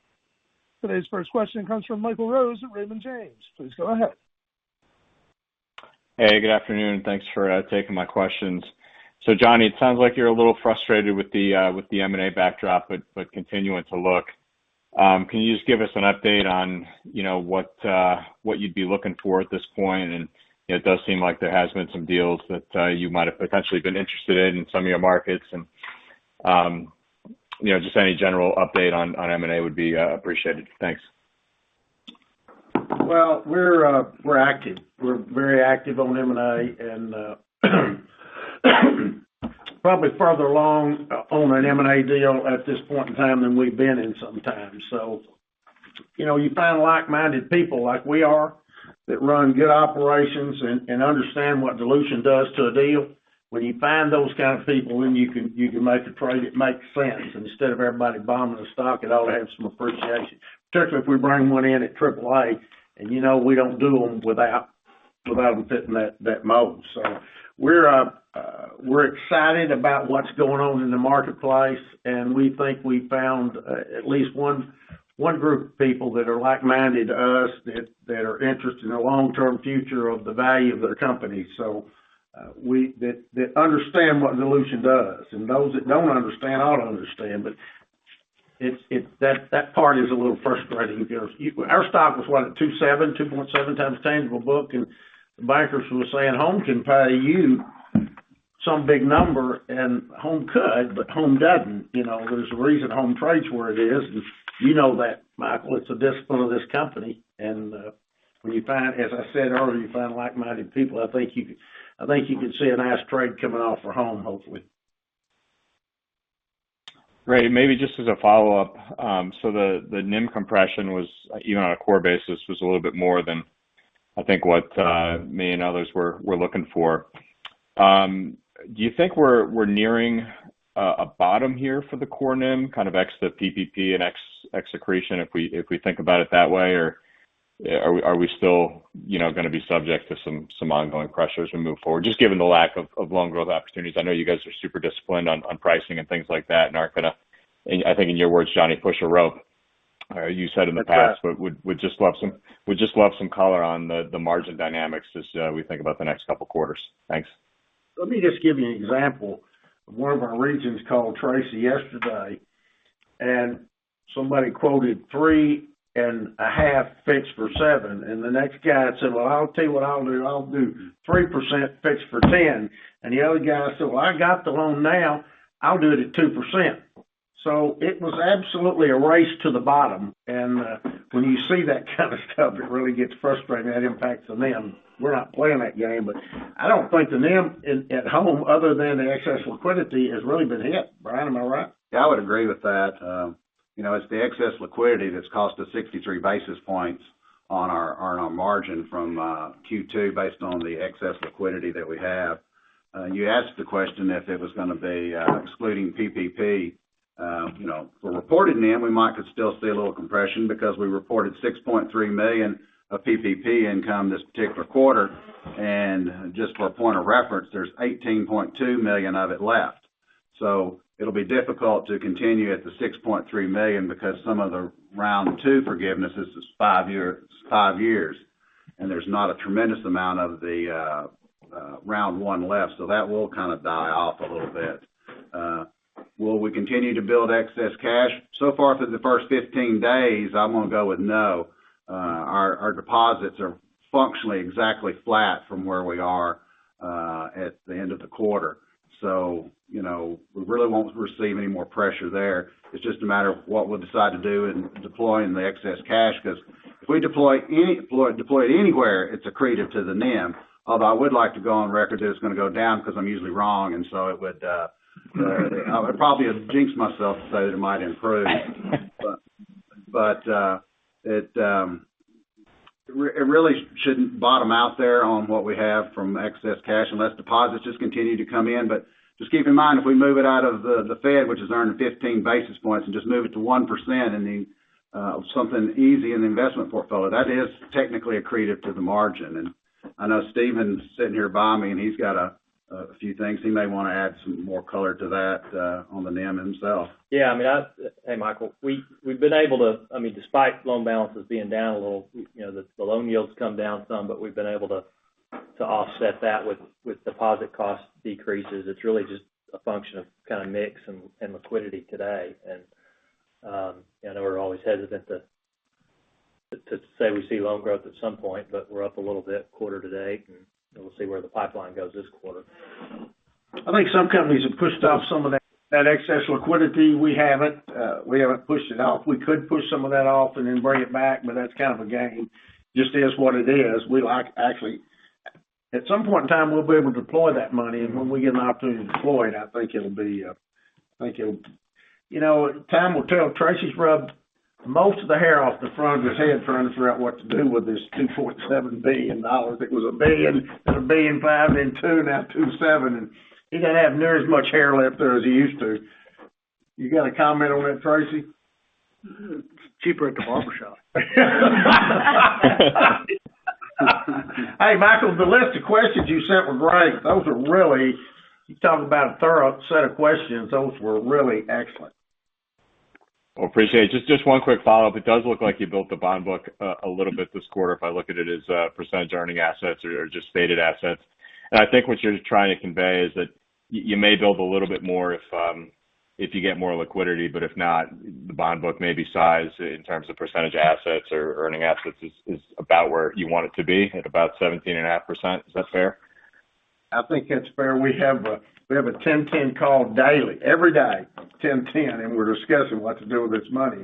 [SPEAKER 9] Today's first question comes from Michael Rose at Raymond James. Please go ahead.
[SPEAKER 10] Hey, good afternoon, and thanks for taking my questions. Johnny, it sounds like you're a little frustrated with the M&A backdrop, but continuing to look. Can you just give us an update on what you'd be looking for at this point? It does seem like there has been some deals that you might have potentially been interested in some of your markets, and just any general update on M&A would be appreciated. Thanks.
[SPEAKER 2] Well, we're active. We're very active on M&A and probably farther along on an M&A deal at this point in time than we've been in some time. You find like-minded people like we are that run good operations and understand what dilution does to a deal. When you find those kind of people, then you can make a trade that makes sense. Instead of everybody bombing the stock, it ought to have some appreciation, particularly if we bring one in at AAA, and you know we don't do them without them fitting that mold. We're excited about what's going on in the marketplace, and we think we found at least one group of people that are like-minded to us, that are interested in the long-term future of the value of their company, that understand what dilution does. Those that don't understand ought to understand, but that part is a little frustrating because our stock was what? At 2.7x tangible book, and the bankers were saying, "Home can pay you some big number, and Home could, but Home doesn't. There's a reason Home trades where it is, and you know that, Michael. It's a discipline of this company. When you find, as I said earlier, you find like-minded people, I think you can see a nice trade coming off for Home, hopefully.
[SPEAKER 10] Great, maybe just as a follow-up. The NIM compression was, even on a core basis, was a little bit more than I think what me and others were looking for. Do you think we're nearing a bottom here for the core NIM, kind of ex the PPP and ex accretion, if we think about it that way? Are we still going to be subject to some ongoing pressures as we move forward, just given the lack of loan growth opportunities? I know you guys are super disciplined on pricing and things like that, and aren't going to, I think in your words, Johnny, push a rope. You said in the past, but would just love some color on the margin dynamics as we think about the next couple of quarters. Thanks.
[SPEAKER 2] Let me just give you an example. One of our regions called Tracy yesterday, somebody quoted 3.5% fixed for 7%, the next guy said, "Well, I'll tell you what I'll do. I'll do 3% fixed for 10%." The other guy said, "Well, I got the loan now, I'll do it at 2%." It was absolutely a race to the bottom, when you see that kind of stuff, it really gets frustrating. That impacts the NIM. We're not playing that game. I don't think the NIM at Home, other than the excess liquidity, has really been hit. Brian, am I right?
[SPEAKER 5] Yeah, I would agree with that. It's the excess liquidity that's cost us 63 basis points on our margin from Q2 based on the excess liquidity that we have. You asked the question if it was going to be excluding PPP. For reported NIM, we might could still see a little compression because we reported $6.3 million of PPP income this particular quarter, and just for a point of reference, there's $18.2 million of it left. It'll be difficult to continue at the $6.3 million because some of the round two forgiveness is five years, and there's not a tremendous amount of the round one left. That will kind of die off a little bit. Will we continue to build excess cash? Far through the first 15 days, I'm going to go with no. Our deposits are functionally exactly flat from where we are at the end of the quarter. We really won't receive any more pressure there. It's just a matter of what we'll decide to do in deploying the excess cash because if we deploy it anywhere, it's accretive to the NIM. Although I would like to go on record that it's going to go down because I'm usually wrong, I probably jinxed myself, it might improve. It really shouldn't bottom out there on what we have from excess cash unless deposits just continue to come in. Just keep in mind, if we move it out of the Fed, which is earning 15 basis points, and just move it to 1% in the something easy in the investment portfolio, that is technically accretive to the margin. I know Stephen's sitting here by me, and he's got a few things. He may want to add some more color to that on the NIM himself.
[SPEAKER 8] Yeah, hey, Michael. We've been able to, despite loan balances being down a little, the loan yield's come down some, but we've been able to offset that with deposit cost decreases. It's really just a function of kind of mix and liquidity today. I know we're always hesitant to say we see loan growth at some point, but we're up a little bit quarter-to-date, and we'll see where the pipeline goes this quarter.
[SPEAKER 2] I think some companies have pushed off some of that excess liquidity. We haven't pushed it off. We could push some of that off and then bring it back, but that's kind of a game. Just is what it is. At some point in time, we'll be able to deploy that money, and when we get an opportunity to deploy it, I think time will tell. Tracy's rubbed most of the hair off the front of his head trying to figure out what to do with this $2.7 billion. It was $1 billion, then $1.5 billion, then $2 billion, now $2.7 billion. He doesn't have near as much hair left there as he used to. You got a comment on that, Tracy?
[SPEAKER 3] Cheaper at the barbershop.
[SPEAKER 2] Hey, Michael, the list of questions you sent were great. Those are really, you talk about a thorough set of questions. Those were really excellent.
[SPEAKER 10] Well, appreciate it. Just one quick follow-up. It does look like you built the bond book a little bit this quarter, if I look at it as a percentage earning assets or just stated assets. I think what you're trying to convey is that you may build a little bit more if you get more liquidity, but if not, the bond book maybe size in terms of percentage assets or earning assets is about where you want it to be, at about 17.5%. Is that fair?
[SPEAKER 2] I think that's fair. We have a 10-10 call daily, every day, 10-10, and we're discussing what to do with this money.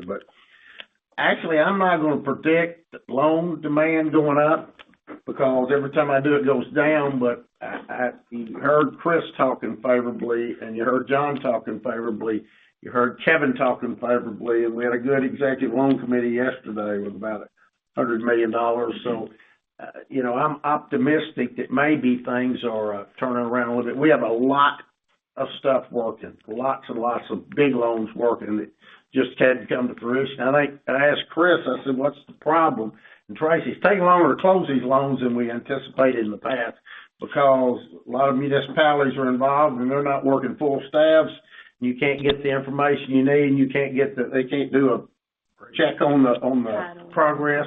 [SPEAKER 2] Actually, I'm not going to predict loan demand going up because every time I do, it goes down. You heard Chris talking favorably, and you heard John talking favorably. You heard Kevin talking favorably, and we had a good executive loan committee yesterday with about $100 million. I'm optimistic that maybe things are turning around a little bit. We have a lot of stuff working. Lots and lots of big loans working that just hadn't come to fruition. I asked Chris, I said, "What's the problem?" Tracy, it's taking longer to close these loans than we anticipated in the past because a lot of municipalities are involved, and they're not working full staffs. You can't get the information you need, and they can't do a check on the progress.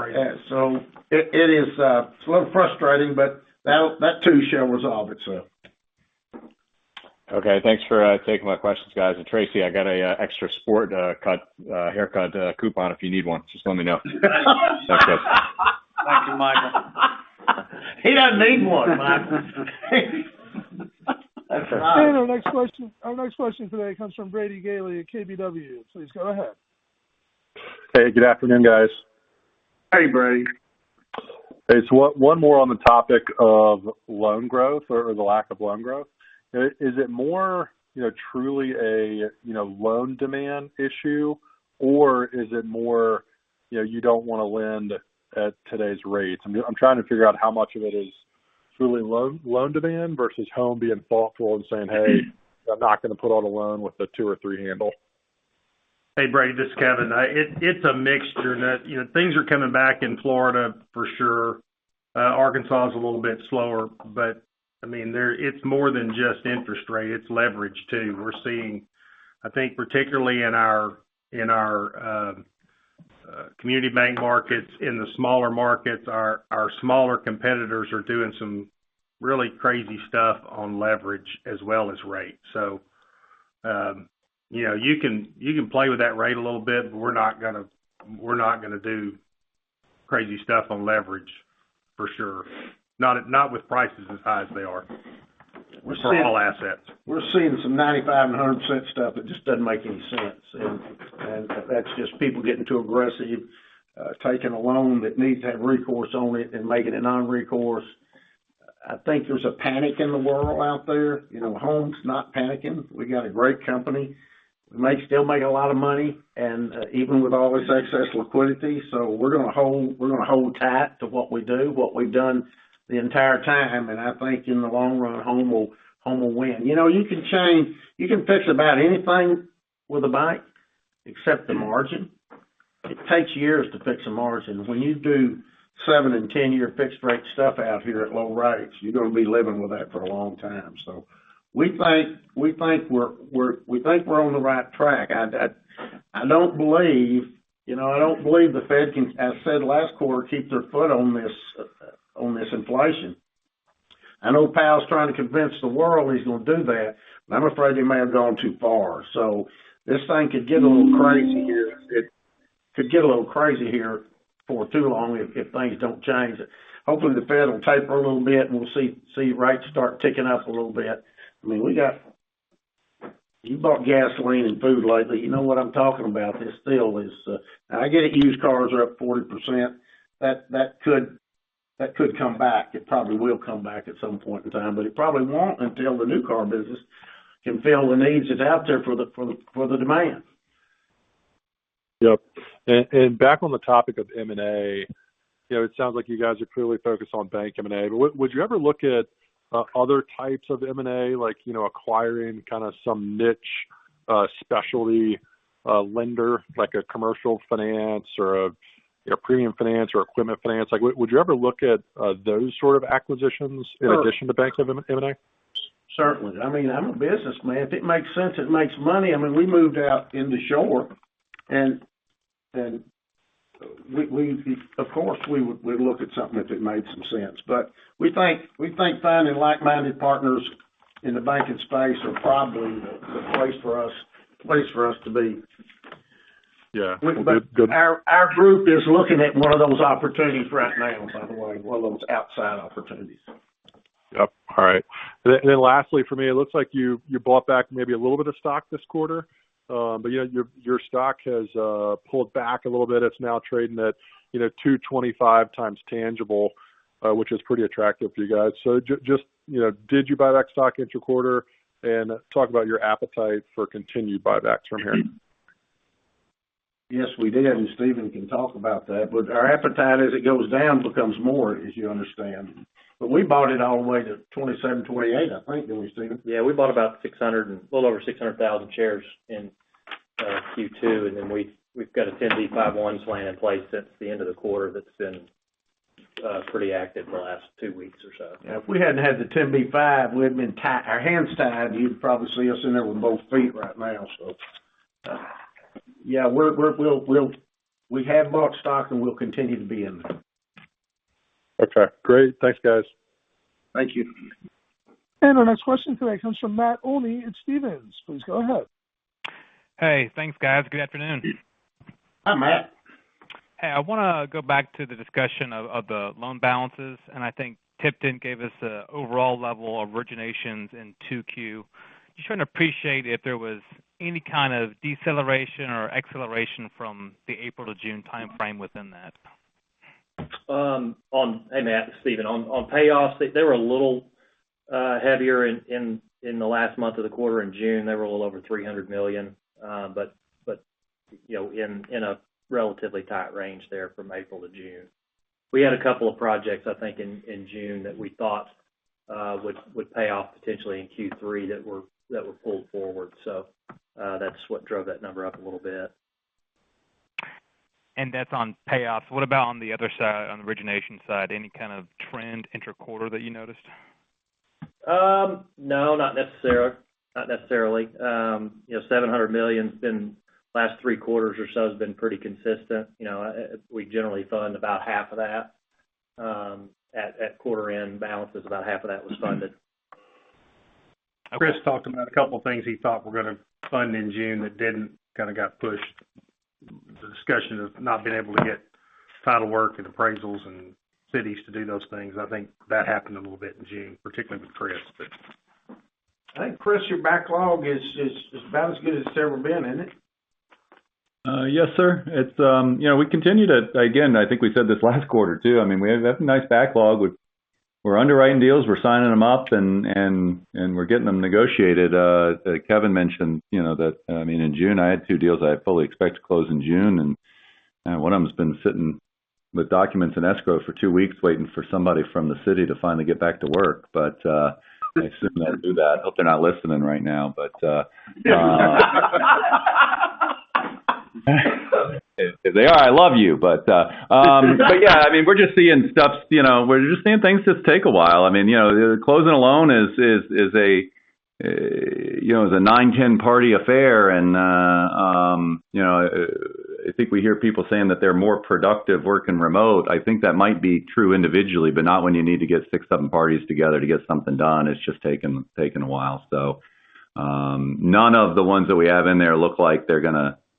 [SPEAKER 2] It is a little frustrating, but that too shall resolve itself.
[SPEAKER 10] Okay. Thanks for taking my questions, guys. Tracy, I got a extra sport cut, haircut coupon if you need one. Just let me know.
[SPEAKER 3] Thank you, Michael.
[SPEAKER 2] He doesn't need one, Michael.
[SPEAKER 3] That's right.
[SPEAKER 9] Our next question today comes from Brady Gailey at KBW. Please go ahead.
[SPEAKER 11] Hey, good afternoon, guys.
[SPEAKER 4] Hey, Brady.
[SPEAKER 11] Hey, one more on the topic of loan growth or the lack of loan growth. Is it more truly a loan demand issue or is it more, you don't want to lend at today's rates? I'm trying to figure out how much of it is truly loan demand versus Home being thoughtful and saying, "Hey, I'm not going to put out a loan with a two or three handle.
[SPEAKER 4] Hey, Brady, this is Kevin. It's a mixture. Things are coming back in Florida, for sure. Arkansas is a little bit slower, but it's more than just interest rate, it's leverage too. We're seeing, I think particularly in our community bank markets, in the smaller markets, our smaller competitors are doing some really crazy stuff on leverage as well as rate. You can play with that rate a little bit, but we're not going to do crazy stuff on leverage, for sure. Not with prices as high as they are for all assets.
[SPEAKER 2] We're seeing some 95% and 100% stuff that just doesn't make any sense. That's just people getting too aggressive, taking a loan that needs to have recourse on it and making it non-recourse. I think there's a panic in the world out there. Home's not panicking. We got a great company, and they still make a lot of money, even with all this excess liquidity. We're going to hold tight to what we do, what we've done the entire time. I think in the long run, Home will win. You can fix about anything with a bank except the margin. It takes years to fix a margin. When you do seven and 10-year fixed rate stuff out here at low rates, you're going to be living with that for a long time. We think we're on the right track. I don't believe the Fed can, as said last quarter, keep their foot on this inflation. I know Powell's trying to convince the world he's going to do that, but I'm afraid he may have gone too far. This thing could get a little crazy here if things don't change. Hopefully, the Fed will taper a little bit, and we'll see rates start ticking up a little bit. If you bought gasoline and food lately, you know what I'm talking about. I get it, used cars are up 40%. That could come back. It probably will come back at some point in time, but it probably won't until the new car business can fill the needs that's out there for the demand.
[SPEAKER 11] Yep. Back on the topic of M&A, it sounds like you guys are clearly focused on bank M&A. Would you ever look at other types of M&A, like acquiring some niche specialty lender, like a commercial finance or a premium finance or equipment finance? Would you ever look at those sort of acquisitions in addition to bank M&A?
[SPEAKER 2] Certainly. I'm a businessman. If it makes sense, it makes money. We moved out into Shore, and of course, we'd look at something if it made some sense. We think finding like-minded partners in the banking space are probably the place for us to be.
[SPEAKER 11] Yeah. Well—
[SPEAKER 2] Our Group is looking at one of those opportunities right now, by the way, one of those outside opportunities.
[SPEAKER 11] Yep. All right. Lastly for me, it looks like you bought back maybe a little bit of stock this quarter. Your stock has pulled back a little bit. It's now trading at 2.25x tangible, which is pretty attractive for you guys. Just did you buy back stock inter-quarter? Talk about your appetite for continued buybacks from here.
[SPEAKER 2] Yes, we did. Stephen can talk about that. Our appetite, as it goes down, becomes more, as you understand. We bought it all the way to $27.28, I think. Didn't we, Stephen?
[SPEAKER 8] Yeah, we bought about a little over 600,000 shares in Q2, and then we've got a 10b5-1 plan in place since the end of the quarter that's been pretty active the last two weeks or so.
[SPEAKER 2] Yeah, if we hadn't had the 10b5, we'd have been our hands tied. You'd probably see us in there with both feet right now. Yeah, we have bought stock, and we'll continue to be in there.
[SPEAKER 11] That's fair. Great. Thanks, guys.
[SPEAKER 2] Thank you.
[SPEAKER 9] Our next question today comes from Matt Olney at Stephens. Please go ahead.
[SPEAKER 12] Hey, thanks, guys. Good afternoon.
[SPEAKER 2] Hi, Matt.
[SPEAKER 12] Hey, I want to go back to the discussion of the loan balances. I think Tipton gave us a overall level originations in 2Q. Just trying to appreciate if there was any kind of deceleration or acceleration from the April to June timeframe within that.
[SPEAKER 8] Hey, Matt, this is Stephen. On payoffs, they were a little heavier in the last month of the quarter. In June, they were a little over $300 million. In a relatively tight range there from April to June. We had a couple of projects, I think, in June that we thought would pay off potentially in Q3 that were pulled forward. That's what drove that number up a little bit.
[SPEAKER 12] That's on payoffs. What about on the other side, on the origination side? Any kind of trend inter-quarter that you noticed?
[SPEAKER 8] No, not necessarily. $700 million last three quarters or so has been pretty consistent. We generally fund about half of that. At quarter end balance is about half of that was funded.
[SPEAKER 4] Chris talked about a couple things he thought were going to fund in June that didn't, kind of got pushed. The discussion of not being able to get title work and appraisals and cities to do those things, I think that happened a little bit in June, particularly with Chris, but
[SPEAKER 2] I think, Chris, your backlog is about as good as it's ever been, isn't it?
[SPEAKER 6] Yes, sir. We continue to, again, I think we said this last quarter too, we have a nice backlog. We're underwriting deals, we're signing them up, and we're getting them negotiated. Kevin mentioned that in June I had two deals that I fully expect to close in June, and one of them's been sitting with documents in escrow for two weeks waiting for somebody from the city to finally get back to work. I assume they'll do that. Hope they're not listening right now. If they are, I love you. Yeah. We're just seeing things just take a while. Closing a loan is a 9-10 party affair, and I think we hear people saying that they're more productive working remote. I think that might be true individually, but not when you need to get six, seven parties together to get something done. It's just taking a while. None of the ones that we have in there look like they're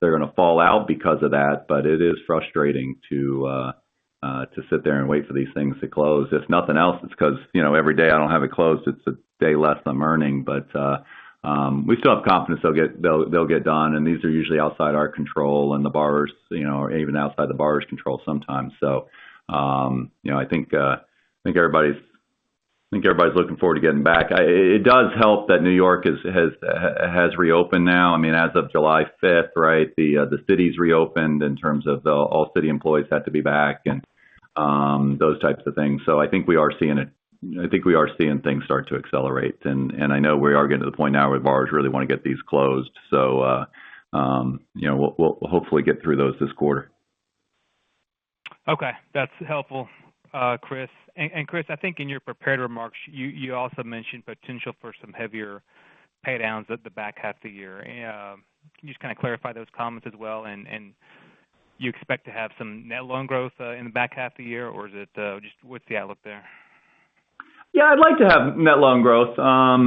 [SPEAKER 6] going to fall out because of that, but it is frustrating to sit there and wait for these things to close. If nothing else, it's because every day I don't have it closed, it's a day less I'm earning. We still have confidence they'll get done, and these are usually outside our control and the borrowers, or even outside the borrower's control sometimes. I think everybody's looking forward to getting back. It does help that New York has reopened now. As of July 5th, right, the city's reopened in terms of all city employees have to be back and those types of things. I think we are seeing things start to accelerate, and I know we are getting to the point now where borrowers really want to get these closed. We'll hopefully get through those this quarter.
[SPEAKER 12] Okay. That's helpful, Chris. Chris, I think in your prepared remarks, you also mentioned potential for some heavier paydowns at the back half of the year. Can you just kind of clarify those comments as well, and you expect to have some net loan growth, in the back half of the year, or is it just what's the outlook there?
[SPEAKER 6] Yeah, I'd like to have net loan growth. A lot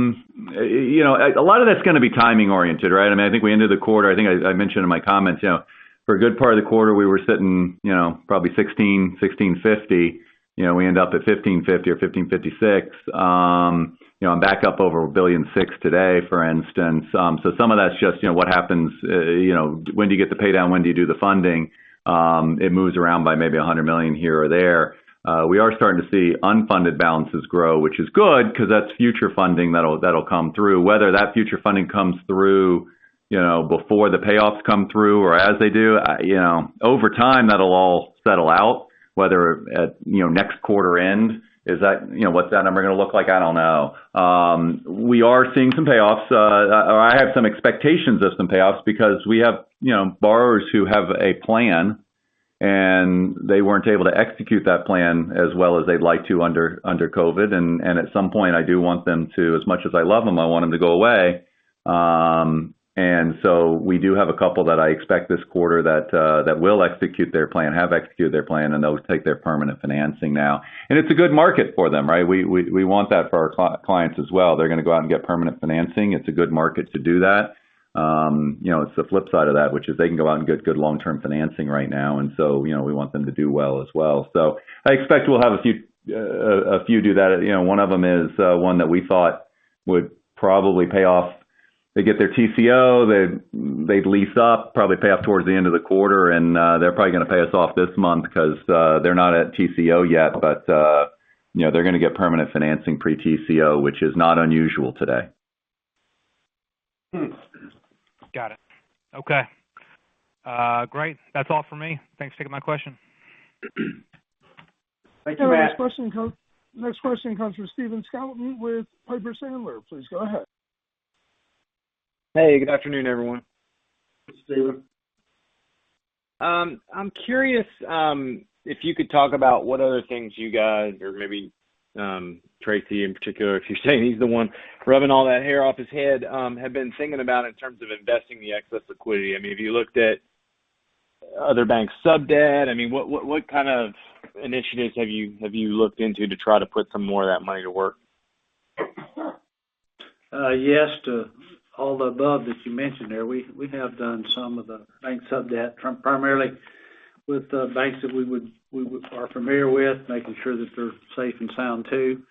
[SPEAKER 6] of that's going to be timing oriented, right? I think we ended the quarter, I think I mentioned in my comments, for a good part of the quarter we were sitting probably $1,600, $1,650. We end up at $1,550 or $1,556. I'm back up over $1.6 billion today, for instance. Some of that's just what happens, when do you get the pay down? When do you do the funding? It moves around by maybe $100 million here or there. We are starting to see unfunded balances grow, which is good because that's future funding that'll come through, whether that future funding comes through before the payoffs come through or as they do. Over time, that'll all settle out, whether at next quarter end, what's that number going to look like? I don't know. We are seeing some payoffs. I have some expectations of some payoffs because we have borrowers who have a plan, and they weren't able to execute that plan as well as they'd like to under COVID-19. At some point, I do want them to, as much as I love them, I want them to go away. We do have a couple that I expect this quarter that will execute their plan, have executed their plan, and they'll take their permanent financing now. It's a good market for them, right? We want that for our clients as well. They're going to go out and get permanent financing. It's a good market to do that. It's the flip side of that, which is they can go out and get good long-term financing right now. We want them to do well as well. I expect we'll have a few do that. One of them is one that we thought would probably pay off. They get their TCO, they'd lease up, probably pay off towards the end of the quarter, and they're probably going to pay us off this month because they're not at TCO yet. They're going to get permanent financing pre-TCO, which is not unusual today.
[SPEAKER 12] Got it. Okay. Great. That's all from me. Thanks for taking my question.
[SPEAKER 2] Thank you, Matt.
[SPEAKER 9] Next question comes from Stephen Scouten with Piper Sandler. Please go ahead.
[SPEAKER 13] Hey, good afternoon, everyone.
[SPEAKER 2] Stephen.
[SPEAKER 13] I'm curious, if you could talk about what other things you guys, or maybe Tracy in particular, if you're saying he's the one rubbing all that hair off his head, have been thinking about in terms of investing the excess liquidity. Have you looked at other banks' sub-debt? What kind of initiatives have you looked into to try to put some more of that money to work?
[SPEAKER 3] Yes to all the above that you mentioned there. We have done some of the sub-debt, primarily with the banks that we are familiar with, making sure that they're safe and sound, too.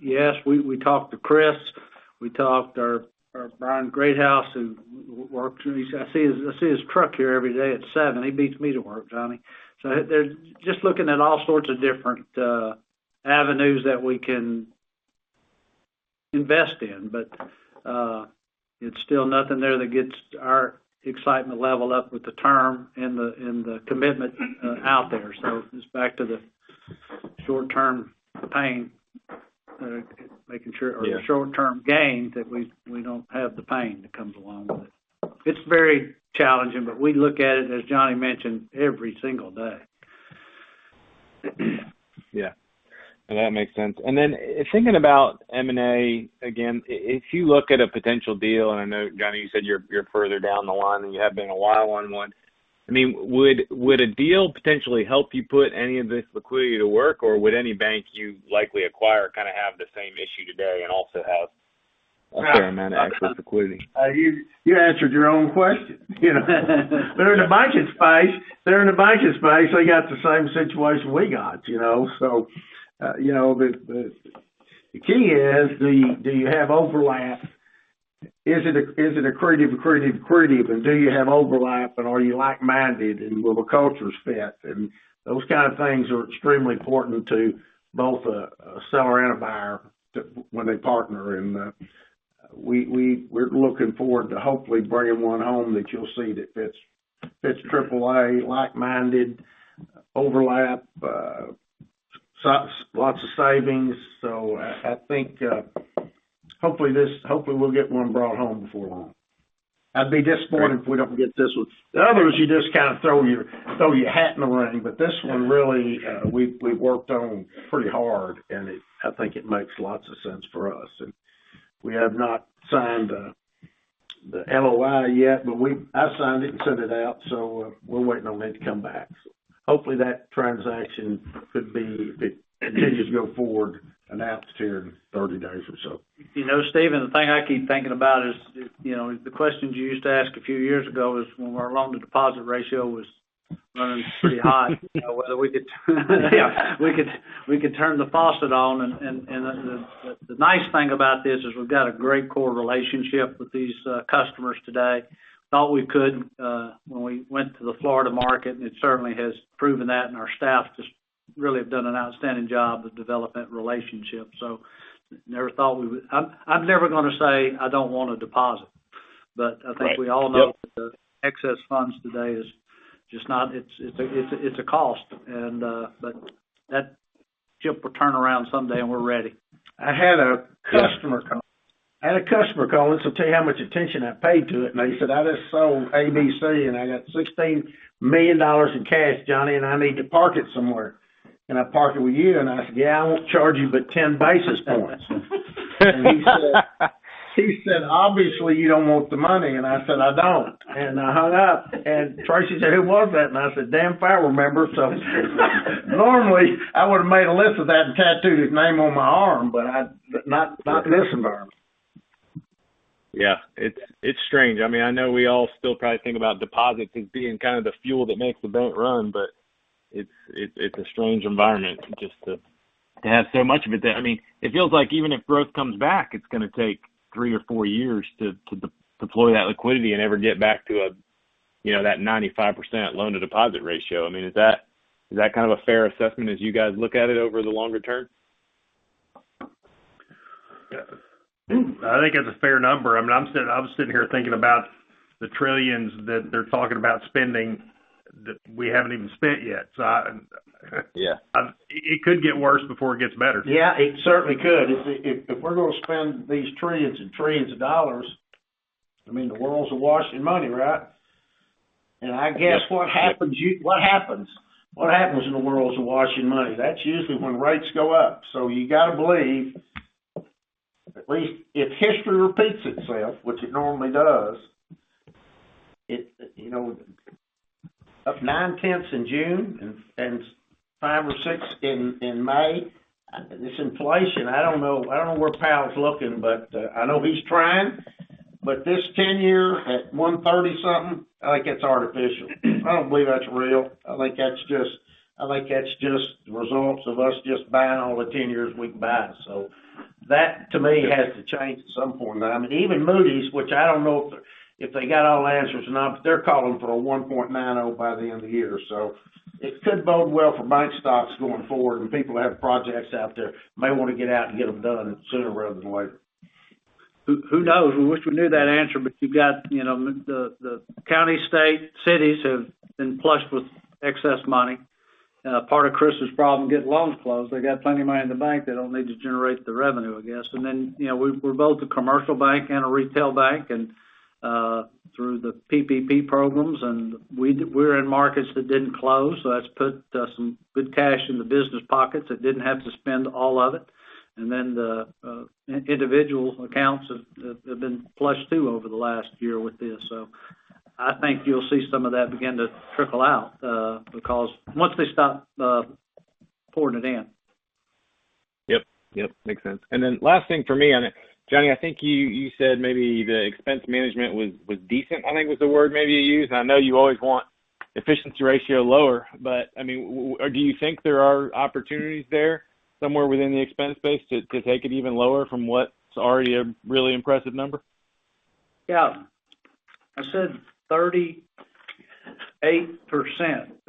[SPEAKER 3] Yes, we talked to Chris. We talked to [Brian Greathouse], who works, and I see his truck here every day at 7:00 A.M. He beats me to work, Johnny. They're just looking at all sorts of different avenues that we can invest in. It's still nothing there that gets our excitement level up with the term and the commitment out there. It's back to the short-term pain or short-term gain, that we don't have the pain that comes along with it. It's very challenging, but we look at it, as Johnny mentioned, every single day.
[SPEAKER 13] Yeah. No, that makes sense. Thinking about M&A again, if you look at a potential deal, I know, Johnny, you said you're further down the line than you have been a while on one. Would a deal potentially help you put any of this liquidity to work? Would any bank you likely acquire have the same issue today and also have a fair amount of excess liquidity?
[SPEAKER 2] You answered your own question. They're in the banking space, so they got the same situation we got. The key is, do you have overlap? Is it accretive? Do you have overlap? Are you like-minded? Will the cultures fit? Those kind of things are extremely important to both a seller and a buyer when they partner. We're looking forward to hopefully bringing one home that you'll see that fits AAA, like-minded, overlap, lots of savings. I think, hopefully, we'll get one brought home before long. I'd be disappointed if we don't get this one. The other ones, you just kind of throw your hat in the ring, but this one, really, we've worked on pretty hard, and I think it makes lots of sense for us. We have not signed the LOI yet, but I signed it and sent it out, so we're waiting on them to come back. Hopefully, that transaction could be, if it continues to go forward, announced here in 30 days or so.
[SPEAKER 3] Stephen, the thing I keep thinking about is the questions you used to ask a few years ago is when our loan-to-deposit ratio was running pretty hot, whether we could turn the faucet on, the nice thing about this is we've got a great core relationship with these customers today. Thought we could when we went to the Florida market, it certainly has proven that, our staff just really have done an outstanding job with development relationships. I'm never going to say I don't want a deposit, but I think we all know that the excess funds today, it's a cost, but that ship will turn around someday, and we're ready.
[SPEAKER 2] I had a customer call in, so tell you how much attention I paid to it. He said, "I just sold ABC, and I got $16 million in cash, Johnny, and I need to park it somewhere, can I park it with you?" I said, "Yeah, I won't charge you but 10 basis points." He said, "Obviously, you don't want the money," and I said, "I don't," and I hung up. Tracy said, "Who was that?" I said, "Damn if I remember." Normally, I would've made a list of that and tattooed his name on my arm, but not in this environment.
[SPEAKER 13] Yeah. It's strange. I know we all still probably think about deposits as being kind of the fuel that makes the bank run, but it's a strange environment just to have so much of it there. It feels like even if growth comes back, it's going to take three or four years to deploy that liquidity and ever get back to that 95% loan-to-deposit ratio. Is that kind of a fair assessment as you guys look at it over the longer term?
[SPEAKER 4] Yeah. I think that's a fair number. I'm sitting here thinking about the trillions that they're talking about spending, that we haven't even spent yet.
[SPEAKER 13] Yeah.
[SPEAKER 4] It could get worse before it gets better.
[SPEAKER 2] Yeah, it certainly could. If we're going to spend these trillions and trillions of dollars, the world's awash in money, right? I guess what happens in a world awash in money? That's usually when rates go up, so you got to believe, at least if history repeats itself, which it normally does, up 0.9% in June and 5% or 6% in May. This inflation, I don't know where Powell's looking, but I know he's trying. This 10-year at 130-something, I think that's artificial. I don't believe that's real. I think that's just the results of us just buying all the 10-years we can buy. That, to me, has to change at some point in time. Even Moody's, which I don't know if they got all the answers or not, but they're calling for a 1.90% by the end of the year, so it could bode well for bank stocks going forward, and people that have projects out there may want to get out and get them done sooner rather than later. Who knows? We wish we knew that answer. The county, state, cities have been flushed with excess money. Part of Chris's problem getting loans closed, they got plenty of money in the bank, they don't need to generate the revenue, I guess. We're both a commercial bank and a retail bank, and through the PPP programs, and we're in markets that didn't close, so that's put some good cash in the business pockets that didn't have to spend all of it. The individual accounts have been flushed, too, over the last year with this. I think you'll see some of that begin to trickle out because once they stop pouring it in.
[SPEAKER 13] Yep. Makes sense. Last thing from me. Johnny, I think you said maybe the expense management was decent, I think was the word maybe you used. I know you always want efficiency ratio lower, do you think there are opportunities there somewhere within the expense base to take it even lower from what's already a really impressive number?
[SPEAKER 2] Yeah. I said 38%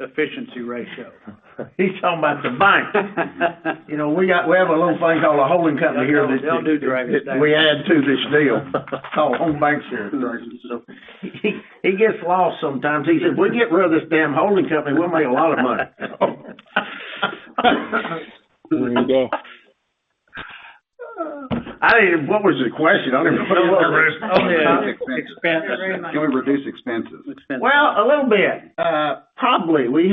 [SPEAKER 2] efficiency ratio.
[SPEAKER 3] He's talking about the bank. We have a little thing called a holding company here that—
[SPEAKER 2] They don't do direct banking. We add to this deal. It's called Home Bancshares.
[SPEAKER 3] He gets lost sometimes. He says, "We get rid of this damn holding company, we'll make a lot of money.
[SPEAKER 13] There you go
[SPEAKER 2] What was your question?
[SPEAKER 13] On expenses.
[SPEAKER 2] Expenses.
[SPEAKER 13] You wanna reduce expenses?
[SPEAKER 2] Well, a little bit. Probably.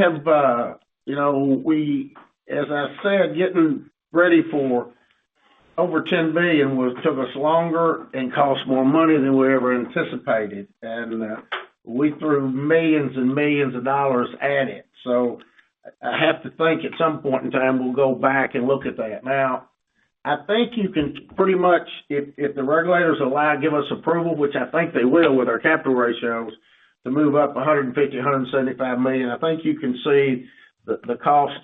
[SPEAKER 2] As I said, getting ready for over $10 billion took us longer and cost more money than we ever anticipated, and we threw millions and millions of dollars at it. I have to think at some point in time, we'll go back and look at that. I think you can pretty much, if the regulators allow, give us approval, which I think they will with our capital ratios, to move up $150 million, $175 million. I think you can see the cost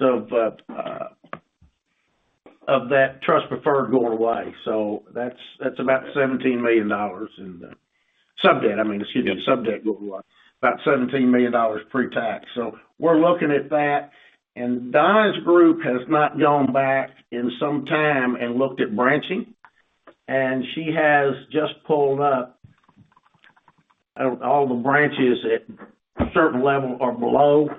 [SPEAKER 2] of that trust preferred going away. That's about $17 million in sub-debt, I mean, excuse me, the sub-debt going away. About $17 million pre-tax. We're looking at that, Donna's group has not gone back in some time and looked at branching. She has just pulled up all the branches at a certain level or below.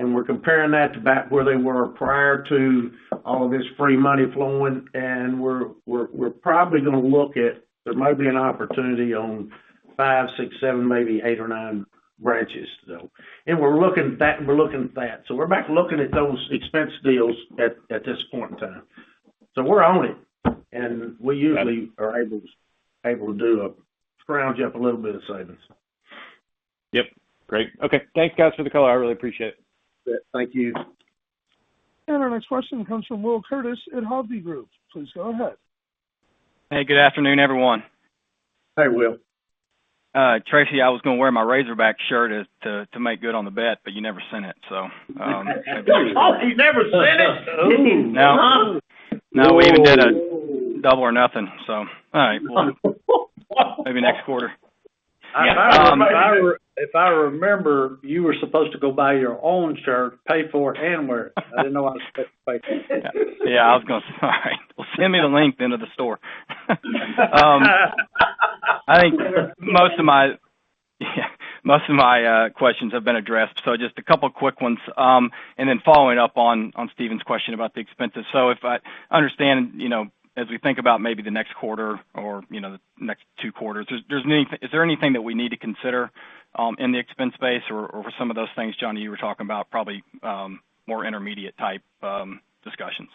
[SPEAKER 2] We're comparing that to back where they were prior to all of this free money flowing. We're probably going to look at, there might be an opportunity on five, six, seven, maybe eight or nine branches still. We're looking at that. We're back looking at those expense deals at this point in time. We're on it, and we usually are able to scrounge up a little bit of savings.
[SPEAKER 13] Yep. Great. Okay. Thanks, guys, for the call. I really appreciate it.
[SPEAKER 2] Thank you.
[SPEAKER 9] Our next question comes from Will Curtiss at Hovde Group. Please go ahead.
[SPEAKER 14] Hey, good afternoon, everyone.
[SPEAKER 2] Hey, Will.
[SPEAKER 14] Tracy, I was going to wear my Razorback shirt to make good on the bet, but you never sent it.
[SPEAKER 2] Oh, he never sent it.
[SPEAKER 14] No. No, we even did a double or nothing. All right, well, maybe next quarter.
[SPEAKER 3] If I remember, you were supposed to go buy your own shirt, pay for it, and wear it. I didn't know I was supposed to buy it for you.
[SPEAKER 14] I was going to say. All right. Send me the link then to the store. I think most of my questions have been addressed, so just a couple quick ones. Following up on Stephen's question about the expenses. If I understand, as we think about maybe the next quarter or the next two quarters, is there anything that we need to consider in the expense base or some of those things, Johnny, you were talking about, probably more intermediate type discussions?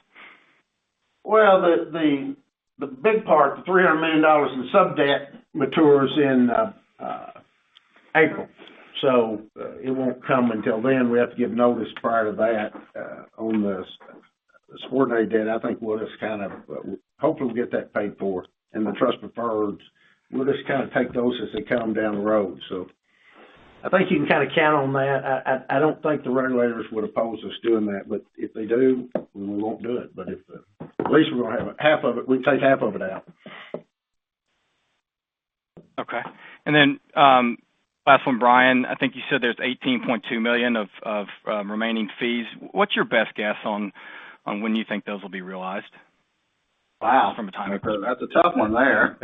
[SPEAKER 2] Well, the big part, the $300 million in sub-debt matures in April. It won't come until then. We have to give notice prior to that on this. This ordinary debt, I think we'll just kind of hopefully get that paid for. The trust preferreds, we'll just kind of take those as they come down the road. I think you can kind of count on that. I don't think the regulators would oppose us doing that. If they do, then we won't do it. At least we'll take half of it out.
[SPEAKER 14] Okay. Then, last one, Brian, I think you said there's $18.2 million of remaining fees. What's your best guess on when you think those will be realized?
[SPEAKER 5] Wow. From a timing perspective. That's a tough one there.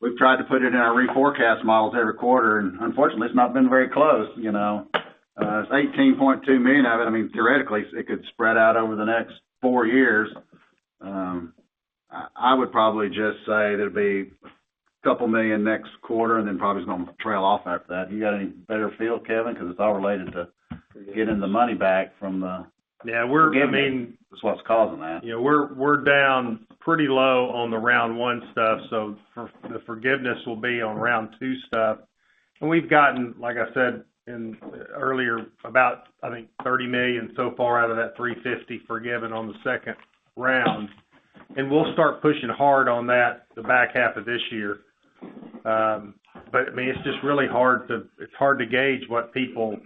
[SPEAKER 5] We've tried to put it in our reforecast models every quarter, unfortunately, it's not been very close. It's $18.2 million of it. Theoretically, it could spread out over the next four years. I would probably just say there'd be a couple of million next quarter, then probably it's going to trail off after that. You got any better feel, Kevin, because it's all related to getting the money back from the.
[SPEAKER 4] Yeah.
[SPEAKER 5] That's what's causing that.
[SPEAKER 4] We're down pretty low on the round one stuff, so the forgiveness will be on round two stuff. We've gotten, like I said earlier, about I think $30 million so far out of that $350 forgiven on the second round. We'll start pushing hard on that the back half of this year. It's just really hard to gauge what people,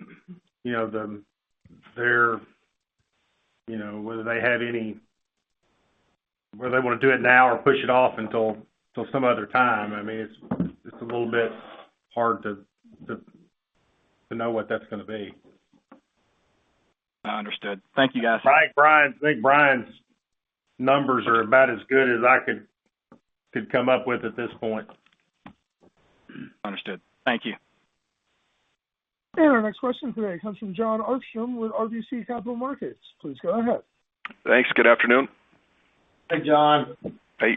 [SPEAKER 4] whether they want to do it now or push it off until some other time. It's a little bit hard to know what that's going to be.
[SPEAKER 14] Understood. Thank you, guys.
[SPEAKER 4] I think Brian's numbers are about as good as I could come up with at this point.
[SPEAKER 14] Understood. Thank you.
[SPEAKER 9] Our next question today comes from Jon Arfstrom with RBC Capital Markets. Please go ahead.
[SPEAKER 15] Thanks. Good afternoon.
[SPEAKER 2] Hey, Jon.
[SPEAKER 15] Hey.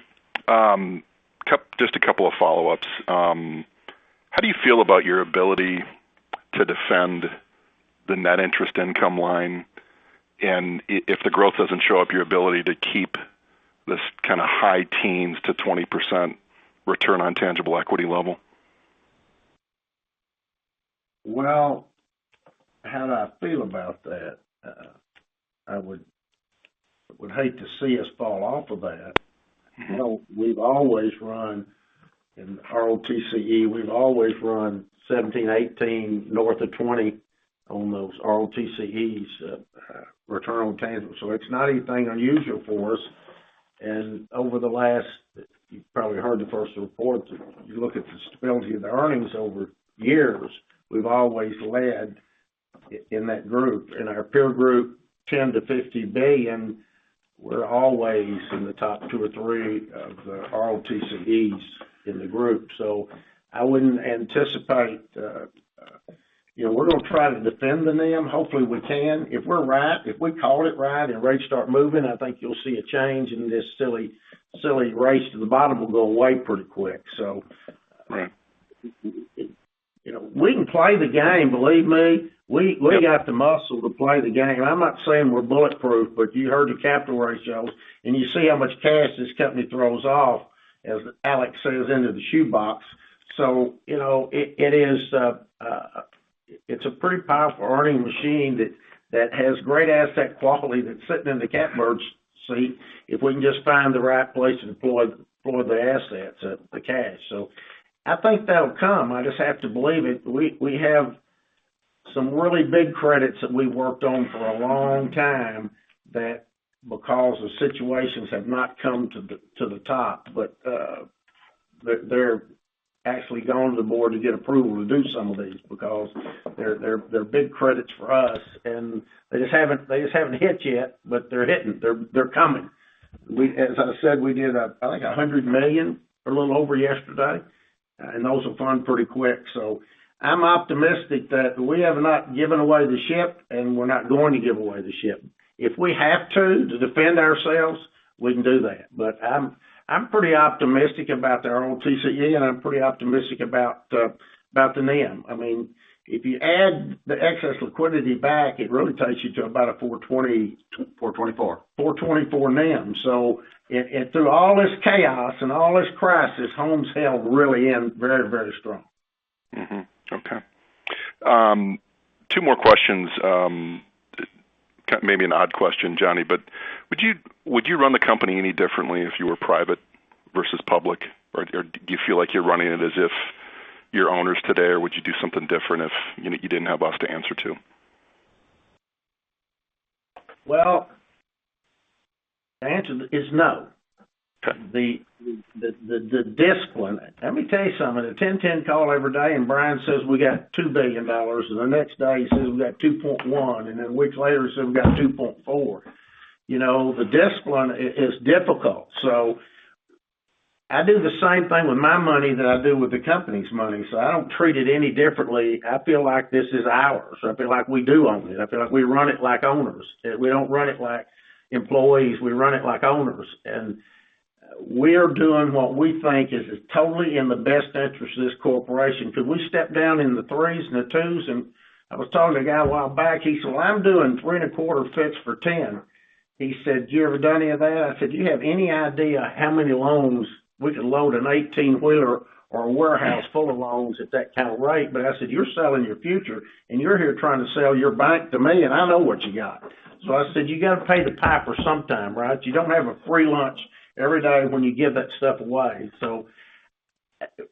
[SPEAKER 15] Just a couple of follow-ups. How do you feel about your ability to defend the net interest income line, and if the growth doesn't show up, your ability to keep this kind of high teens to 20% return on tangible equity level?
[SPEAKER 2] Well, how do I feel about that? I would hate to see us fall off of that. Hell, we've always run, in ROTCE, we've always run 17%, 18%, north of 20% on those ROTCEs, return on tangible. It's not anything unusual for us. Over the last, you've probably heard the first report, you look at the stability of the earnings over years, we've always led in that group. In our peer group, $10 billion-$50 billion, we're always in the top two or three of ROTCEs in the Group. I wouldn't anticipate. We're going to try to defend the NIM. Hopefully, we can. If we're right, if we call it right, and rates start moving, I think you'll see a change, and this silly race to the bottom will go away pretty quick. We can play the game, believe me. We got the muscle to play the game. I'm not saying we're bulletproof. You heard the capital ratios. You see how much cash this company throws off, as Alex says, into the shoebox. It's a pretty powerful earning machine that has great asset quality that's sitting in the catbird seat, if we can just find the right place to deploy the assets, the cash. I think that'll come. I just have to believe it. We have some really big credits that we worked on for a long time that, because of situations, have not come to the top. They're actually going to the board to get approval to do some of these because they're big credits for us. They just haven't hit yet. They're hitting. They're coming. As I said, we did, I think, $100 million or a little over yesterday, and those will fund pretty quick. I'm optimistic that we have not given away the ship, and we're not going to give away the ship. If we have to defend ourselves, we can do that. I'm pretty optimistic about our own TCE, and I'm pretty optimistic about the NIM. If you add the excess liquidity back, it really takes you to about a 420—
[SPEAKER 5] 424 [basis points].
[SPEAKER 2] 424 NIM. Through all this chaos and all this crisis, Home's held really in very strong.
[SPEAKER 15] Okay. Two more questions. Maybe an odd question, Johnny, would you run the company any differently if you were private versus public? Do you feel like you're running it as if you're owners today, or would you do something different if you didn't have us to answer to?
[SPEAKER 2] Well, the answer is no. The discipline, let me tell you something, a 10-10 call every day. Brian says we got $2 billion. The next day he says we got $2.1 billion. A week later, he says we got $2.4 billion. The discipline is difficult. I do the same thing with my money that I do with the company's money. I don't treat it any differently. I feel like this is ours. I feel like we do own it. I feel like we run it like owners. We don't run it like employees. We run it like owners. We're doing what we think is totally in the best interest of this corporation because we stepped down in the 3s and the 2s, and I was talking to a guy a while back, he said, "Well, I'm doing 3.25 fixed for 10." He said, "You ever done any of that?" I said, "Do you have any idea how many loans we could load an 18-wheeler or a warehouse full of loans at that kind of rate?" I said, "You're selling your future, and you're here trying to sell your bank to me, and I know what you got." I said, "You got to pay the piper sometime, right? You don't have a free lunch every day when you give that stuff away."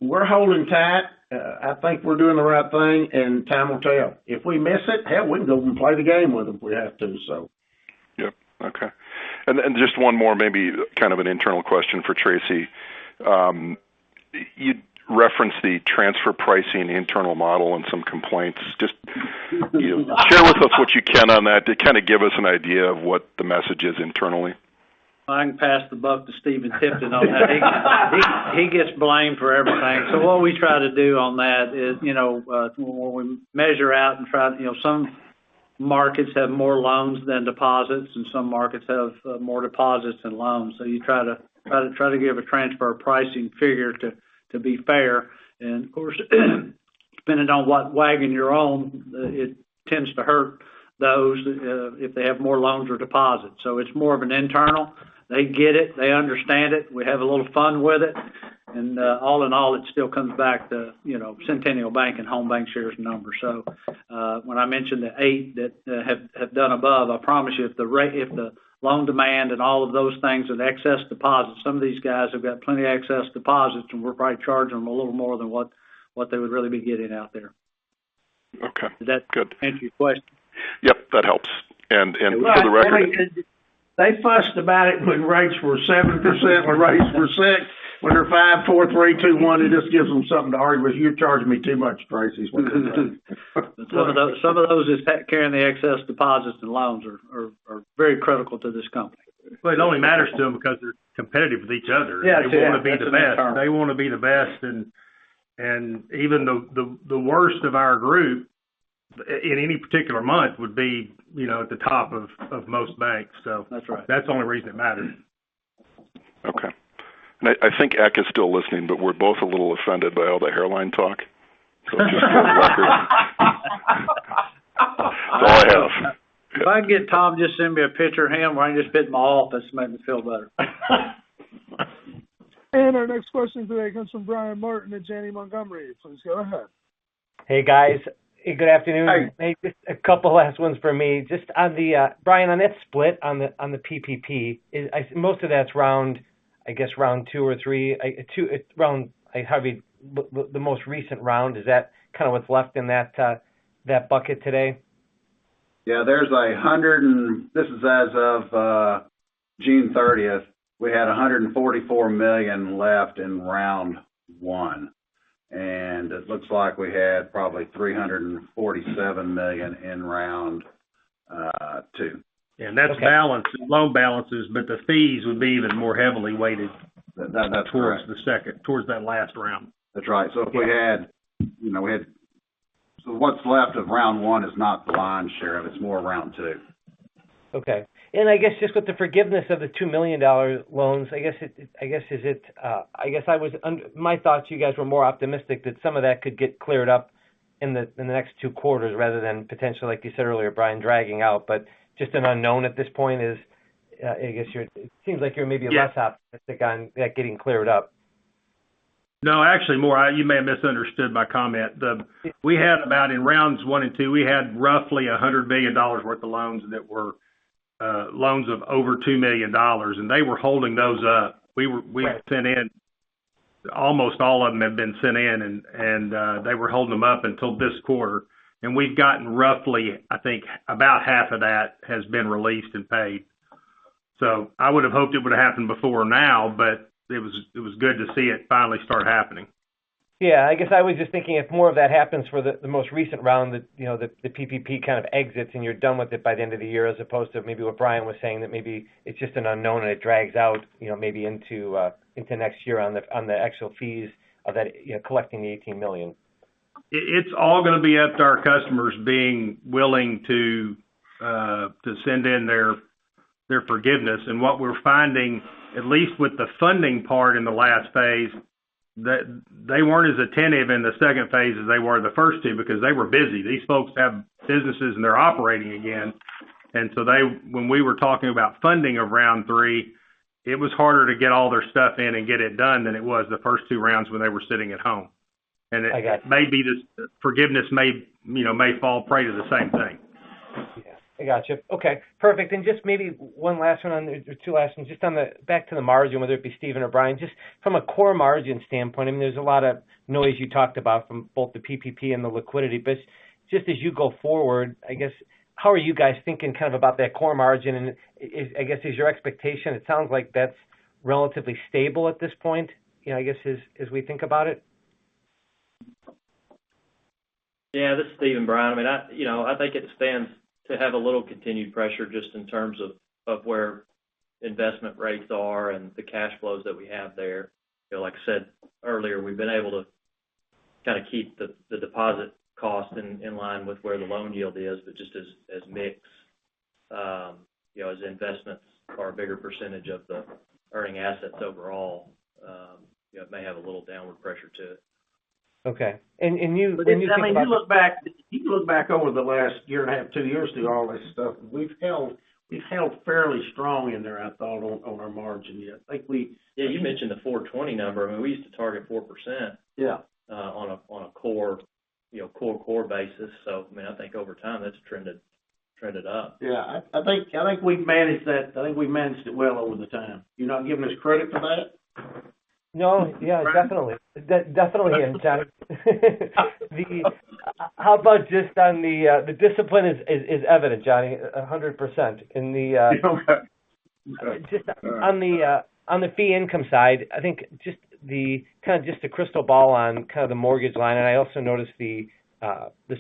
[SPEAKER 2] We're holding tight. I think we're doing the right thing, and time will tell. If we miss it, hell, we can go and play the game with them if we have to, so.
[SPEAKER 15] Yep. Okay. Just one more, maybe kind of an internal question for Tracy. You referenced the transfer pricing internal model in some complaints. Just share with us what you can on that to kind of give us an idea of what the message is internally.
[SPEAKER 3] I can pass the buck to Stephen Tipton on that. He gets blamed for everything. What we try to do on that is, when we measure out. Some markets have more loans than deposits, and some markets have more deposits than loans. You try to give a transfer pricing figure to be fair. Of course, depending on what wagon you're on, it tends to hurt those if they have more loans or deposits. It's more of an internal. They get it. They understand it. We have a little fun with it. All in all, it still comes back to Centennial Bank and Home Bancshares numbers. When I mentioned the eight that have done above, I promise you, if the loan demand and all of those things, and excess deposits, some of these guys have got plenty of excess deposits, and we're probably charging them a little more than what they would really be getting out there.
[SPEAKER 15] Okay.
[SPEAKER 3] Does that—
[SPEAKER 2] Good.
[SPEAKER 3] —answer your question?
[SPEAKER 15] Yep, that helps.
[SPEAKER 2] Well, they fussed about it when rates were 7%, when rates were 6%, when they were 5%, 4%, 3%, 2%, 1%. It just gives them something to argue with. "You're charging me too much, Tracy."
[SPEAKER 3] Some of those that carrying the excess deposits and loans are very critical to this company. Well, it only matters to them because they're competitive with each other.
[SPEAKER 2] They want to be the best. Even the worst of our Group, in any particular month, would be at the top of most banks.
[SPEAKER 3] That's right.
[SPEAKER 2] That's the only reason it matters.
[SPEAKER 15] Okay. I think [Eck] is still listening, but we're both a little offended by all the hairline talk. Just for the record. Go ahead.
[SPEAKER 2] If I can get Tom just send me a picture of him where I can just put it in my office, make me feel better.
[SPEAKER 9] Our next question today comes from Brian Martin at Janney Montgomery. Please go ahead.
[SPEAKER 16] Hey, guys. Good afternoon.
[SPEAKER 2] Hi.
[SPEAKER 16] Hey, just a couple last ones for me. Brian, on that split on the PPP, most of that's round, I guess, two or three. The most recent round, is that kind of what's left in that bucket today?
[SPEAKER 5] Yeah, this is as of June 30th, we had $144 million left in round one. It looks like we had probably $347 million in round.
[SPEAKER 2] That's loan balances, but the fees would be even more heavily weighted—
[SPEAKER 5] That's correct.
[SPEAKER 2] —towards that last round.
[SPEAKER 5] That's right. What's left of round one is not the lion's share of it's more round two.
[SPEAKER 16] Okay. I guess just with the forgiveness of the $2 million loans, my thoughts, you guys were more optimistic that some of that could get cleared up in the next two quarters rather than potentially, like you said earlier, Brian, dragging out, but just an unknown at this point is, I guess it seems like you're maybe less optimistic on that getting cleared up.
[SPEAKER 5] No, actually, more, you may have misunderstood my comment. In rounds one and two, we had roughly $100 million worth of loans that were loans of over $2 million. They were holding those up.
[SPEAKER 16] Right.
[SPEAKER 5] Almost all of them have been sent in and they were holding them up until this quarter, and we've gotten roughly, I think, about half of that has been released and paid. I would've hoped it would've happened before now, but it was good to see it finally start happening.
[SPEAKER 16] Yeah. I guess I was just thinking if more of that happens for the most recent round that the PPP kind of exits and you're done with it by the end of the year, as opposed to maybe what Brian was saying, that maybe it's just an unknown and it drags out maybe into next year on the actual fees of collecting the $18 million.
[SPEAKER 5] It's all going to be up to our customers being willing to send in their forgiveness. What we're finding, at least with the funding part in the last phase, that they weren't as attentive in the second phase as they were the first two because they were busy. These folks have businesses, they're operating again. When we were talking about funding of round three, it was harder to get all their stuff in and get it done than it was the first two rounds when they were sitting at home.
[SPEAKER 16] I gotcha.
[SPEAKER 5] Maybe this forgiveness may fall prey to the same thing.
[SPEAKER 16] Yeah. I gotcha. Okay. Perfect. Just maybe one last one or two last ones just back to the margin, whether it be Stephen or Brian, just from a core margin standpoint, there's a lot of noise you talked about from both the PPP and the liquidity. Just as you go forward, I guess, how are you guys thinking kind of about that core margin? I guess, is your expectation, it sounds like that's relatively stable at this point, I guess, as we think about it?
[SPEAKER 8] Yeah, this is Stephen, Brian. I think it stands to have a little continued pressure just in terms of where investment rates are and the cash flows that we have there. Like I said earlier, we've been able to kind of keep the deposit cost in line with where the loan yield is, but just as mix, as investments are a bigger percentage of the earning assets overall, it may have a little downward pressure to it.
[SPEAKER 16] Okay.
[SPEAKER 2] I mean, you look back over the last year and a half, two years through all this stuff, we've held fairly strong in there, I thought, on our margin.
[SPEAKER 8] Yeah, you mentioned the 420 number. I mean, we used to target 4%—
[SPEAKER 16] Yeah.
[SPEAKER 8] —on a core basis. I mean, I think over time that's trended up.
[SPEAKER 2] Yeah, I think we've managed it well over the time. You're not giving us credit for that?
[SPEAKER 16] No. Yeah, definitely. Definitely. How about just on the discipline is evident, Johnny, 100%. Just on the fee income side, I think just kind of just a crystal ball on kind of the mortgage line, and I also noticed the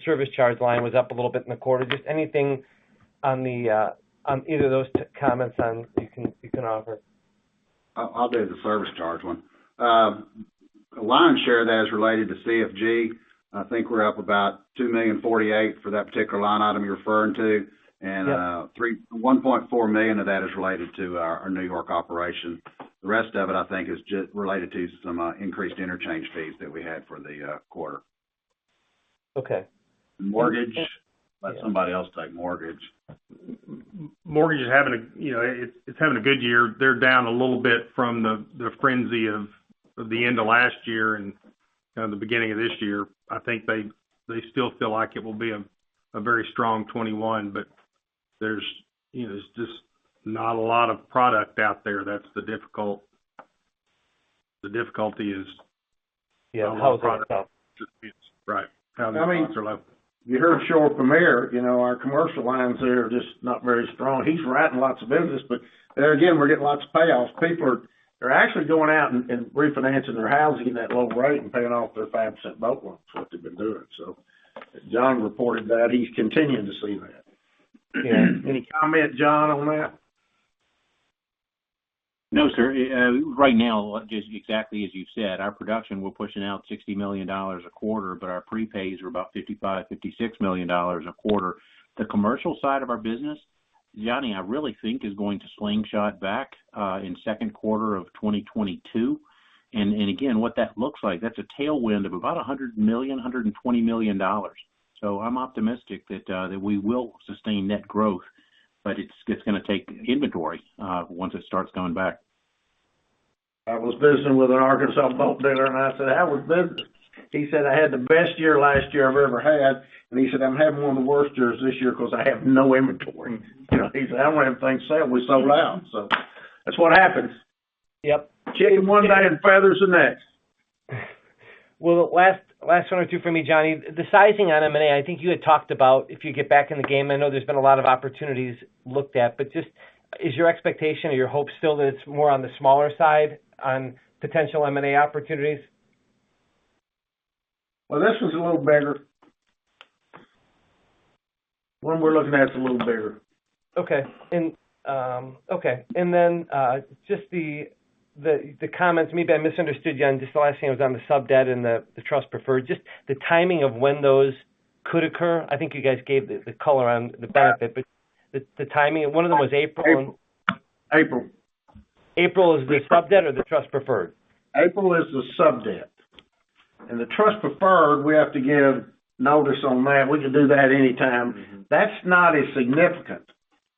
[SPEAKER 16] service charge line was up a little bit in the quarter. Just anything on either of those comments you can offer?
[SPEAKER 5] I'll do the service charge one. The lion's share of that is related to CCFG. I think we're up about $2.48 million for that particular line item you're referring to. $1.4 million of that is related to our New York operation. The rest of it, I think, is just related to some increased interchange fees that we had for the quarter.
[SPEAKER 16] Okay.
[SPEAKER 5] Mortgage, let somebody else take mortgage.
[SPEAKER 4] Mortgage is having a good year. They're down a little bit from the frenzy of the end of last year and kind of the beginning of this year. I think they still feel like it will be a very strong 2021, there's just not a lot of product out there.
[SPEAKER 16] Yeah. The house product.
[SPEAKER 2] You heard Shore from there, our commercial lines there are just not very strong. He's writing lots of business, there again, we're getting lots of payoffs. People are actually going out and refinancing their housing at that low rate and paying off their 5% boat loans, is what they've been doing. John reported that. He's continuing to see that. Any comment, John, on that?
[SPEAKER 7] No, sir. Right now, just exactly as you said, our production, we're pushing out $60 million a quarter, but our prepays are about $55 million, $56 million a quarter. The commercial side of our business, Johnny, I really think is going to slingshot back in second quarter of 2022. Again, what that looks like, that's a tailwind of about $100 million-$120 million. I'm optimistic that we will sustain that growth. It's going to take inventory once it starts coming back.
[SPEAKER 2] I was visiting with an Arkansas boat dealer, and I said, "How is business?" He said, "I had the best year last year I've ever had." He said, "I'm having one of the worst years this year because I have no inventory." He said, "I don't have anything to sell. We sold out." That's what happens.
[SPEAKER 16] Yep.
[SPEAKER 2] Chicken one night and feathers the next.
[SPEAKER 16] Well, last one or two from me, Johnny. The sizing on M&A, I think you had talked about if you get back in the game, I know there's been a lot of opportunities looked at, but just is your expectation or your hopes still that it's more on the smaller side on potential M&A opportunities?
[SPEAKER 2] Well, this one's a little bigger. The one we're looking at is a little bigger.
[SPEAKER 16] Okay. Just the comments, maybe I misunderstood you on just the last thing was on the sub-debt and the trust preferred, just the timing of when those could occur. I think you guys gave the color on the benefit, but the timing of one of them was April.
[SPEAKER 2] April.
[SPEAKER 16] April is the sub-debt or the trust preferred?
[SPEAKER 2] April is the sub-debt. The trust preferred, we have to give notice on that. We can do that anytime. That's not as significant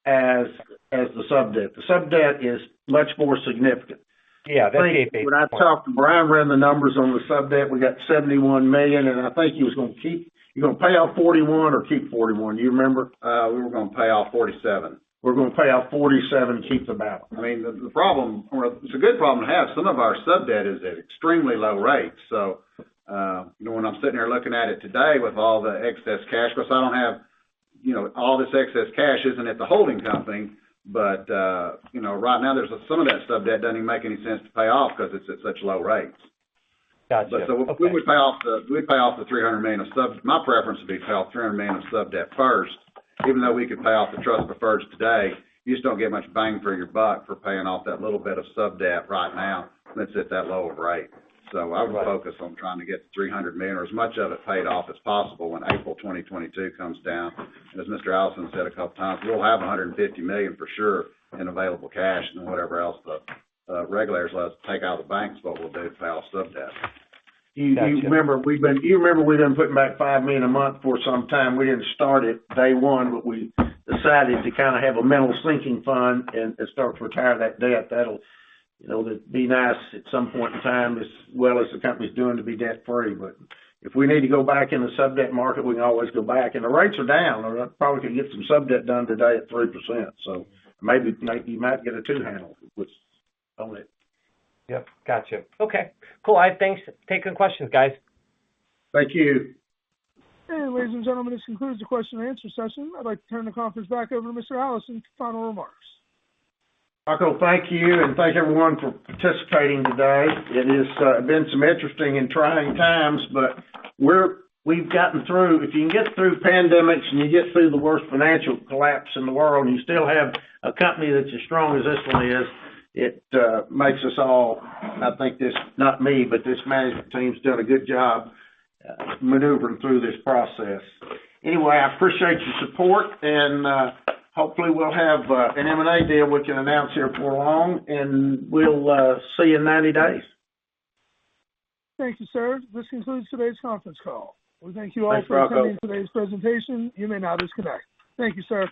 [SPEAKER 2] as the sub-debt. The sub-debt is much more significant.
[SPEAKER 16] Yeah.
[SPEAKER 2] I think when I talked to Brian, ran the numbers on the sub-debt, we got $71 million, and I think he was going to keep. You're going to pay off $41 million or keep $41 million? Do you remember?
[SPEAKER 5] We were going to pay off $47 million.
[SPEAKER 2] We're going to pay off $47 million. It's a good problem to have. Some of our sub-debt is at extremely low rates. When I'm sitting here looking at it today with all the excess cash, because all this excess cash isn't at the holding company. Right now, some of that sub-debt doesn't even make any sense to pay off because it's at such low rates.
[SPEAKER 16] Got you. Okay.
[SPEAKER 5] My preference would be to pay off $300 million of sub-debt first. Even though we could pay off the trust preferreds today, you just don't get much bang for your buck for paying off that little bit of sub-debt right now when it's at that low of a rate. I would focus on trying to get the $300 million or as much of it paid off as possible when April 2022 comes down. As Mr. Allison said a couple of times, we'll have $150 million for sure in available cash and whatever else the regulators let us take out of the banks is what we'll do to pay off sub-debt. Got you.
[SPEAKER 2] You remember we've been putting back $5 million a month for some time. We didn't start at day one, we decided to kind of have a mental sinking fund and start to retire that debt. That'll be nice at some point in time, as well as the company's doing, to be debt-free. If we need to go back in the sub-debt market, we can always go back. The rates are down. We probably could get some sub-debt done today at 3%. Maybe you might get a two handle on it.
[SPEAKER 16] Yep. Got you. Okay. Cool. All right, thanks. Take good questions, guys.
[SPEAKER 2] Thank you.
[SPEAKER 9] Ladies and gentlemen, this concludes the question and answer session. I'd like to turn the conference back over to Mr. Allison for final remarks.
[SPEAKER 2] Rocco, thank you. Thank everyone for participating today. It has been some interesting and trying times. We've gotten through. If you can get through pandemics and you get through the worst financial collapse in the world, and you still have a company that's as strong as this one is. I think this, not me, but this management team's done a good job maneuvering through this process. Anyway, I appreciate your support, and hopefully we'll have an M&A deal we can announce here before long, and we'll see you in 90 days.
[SPEAKER 9] Thank you, sir. This concludes today's conference call. We thank you all—
[SPEAKER 2] Thanks, Rocco.
[SPEAKER 9] —for attending today's presentation. You may now disconnect. Thank you, sir.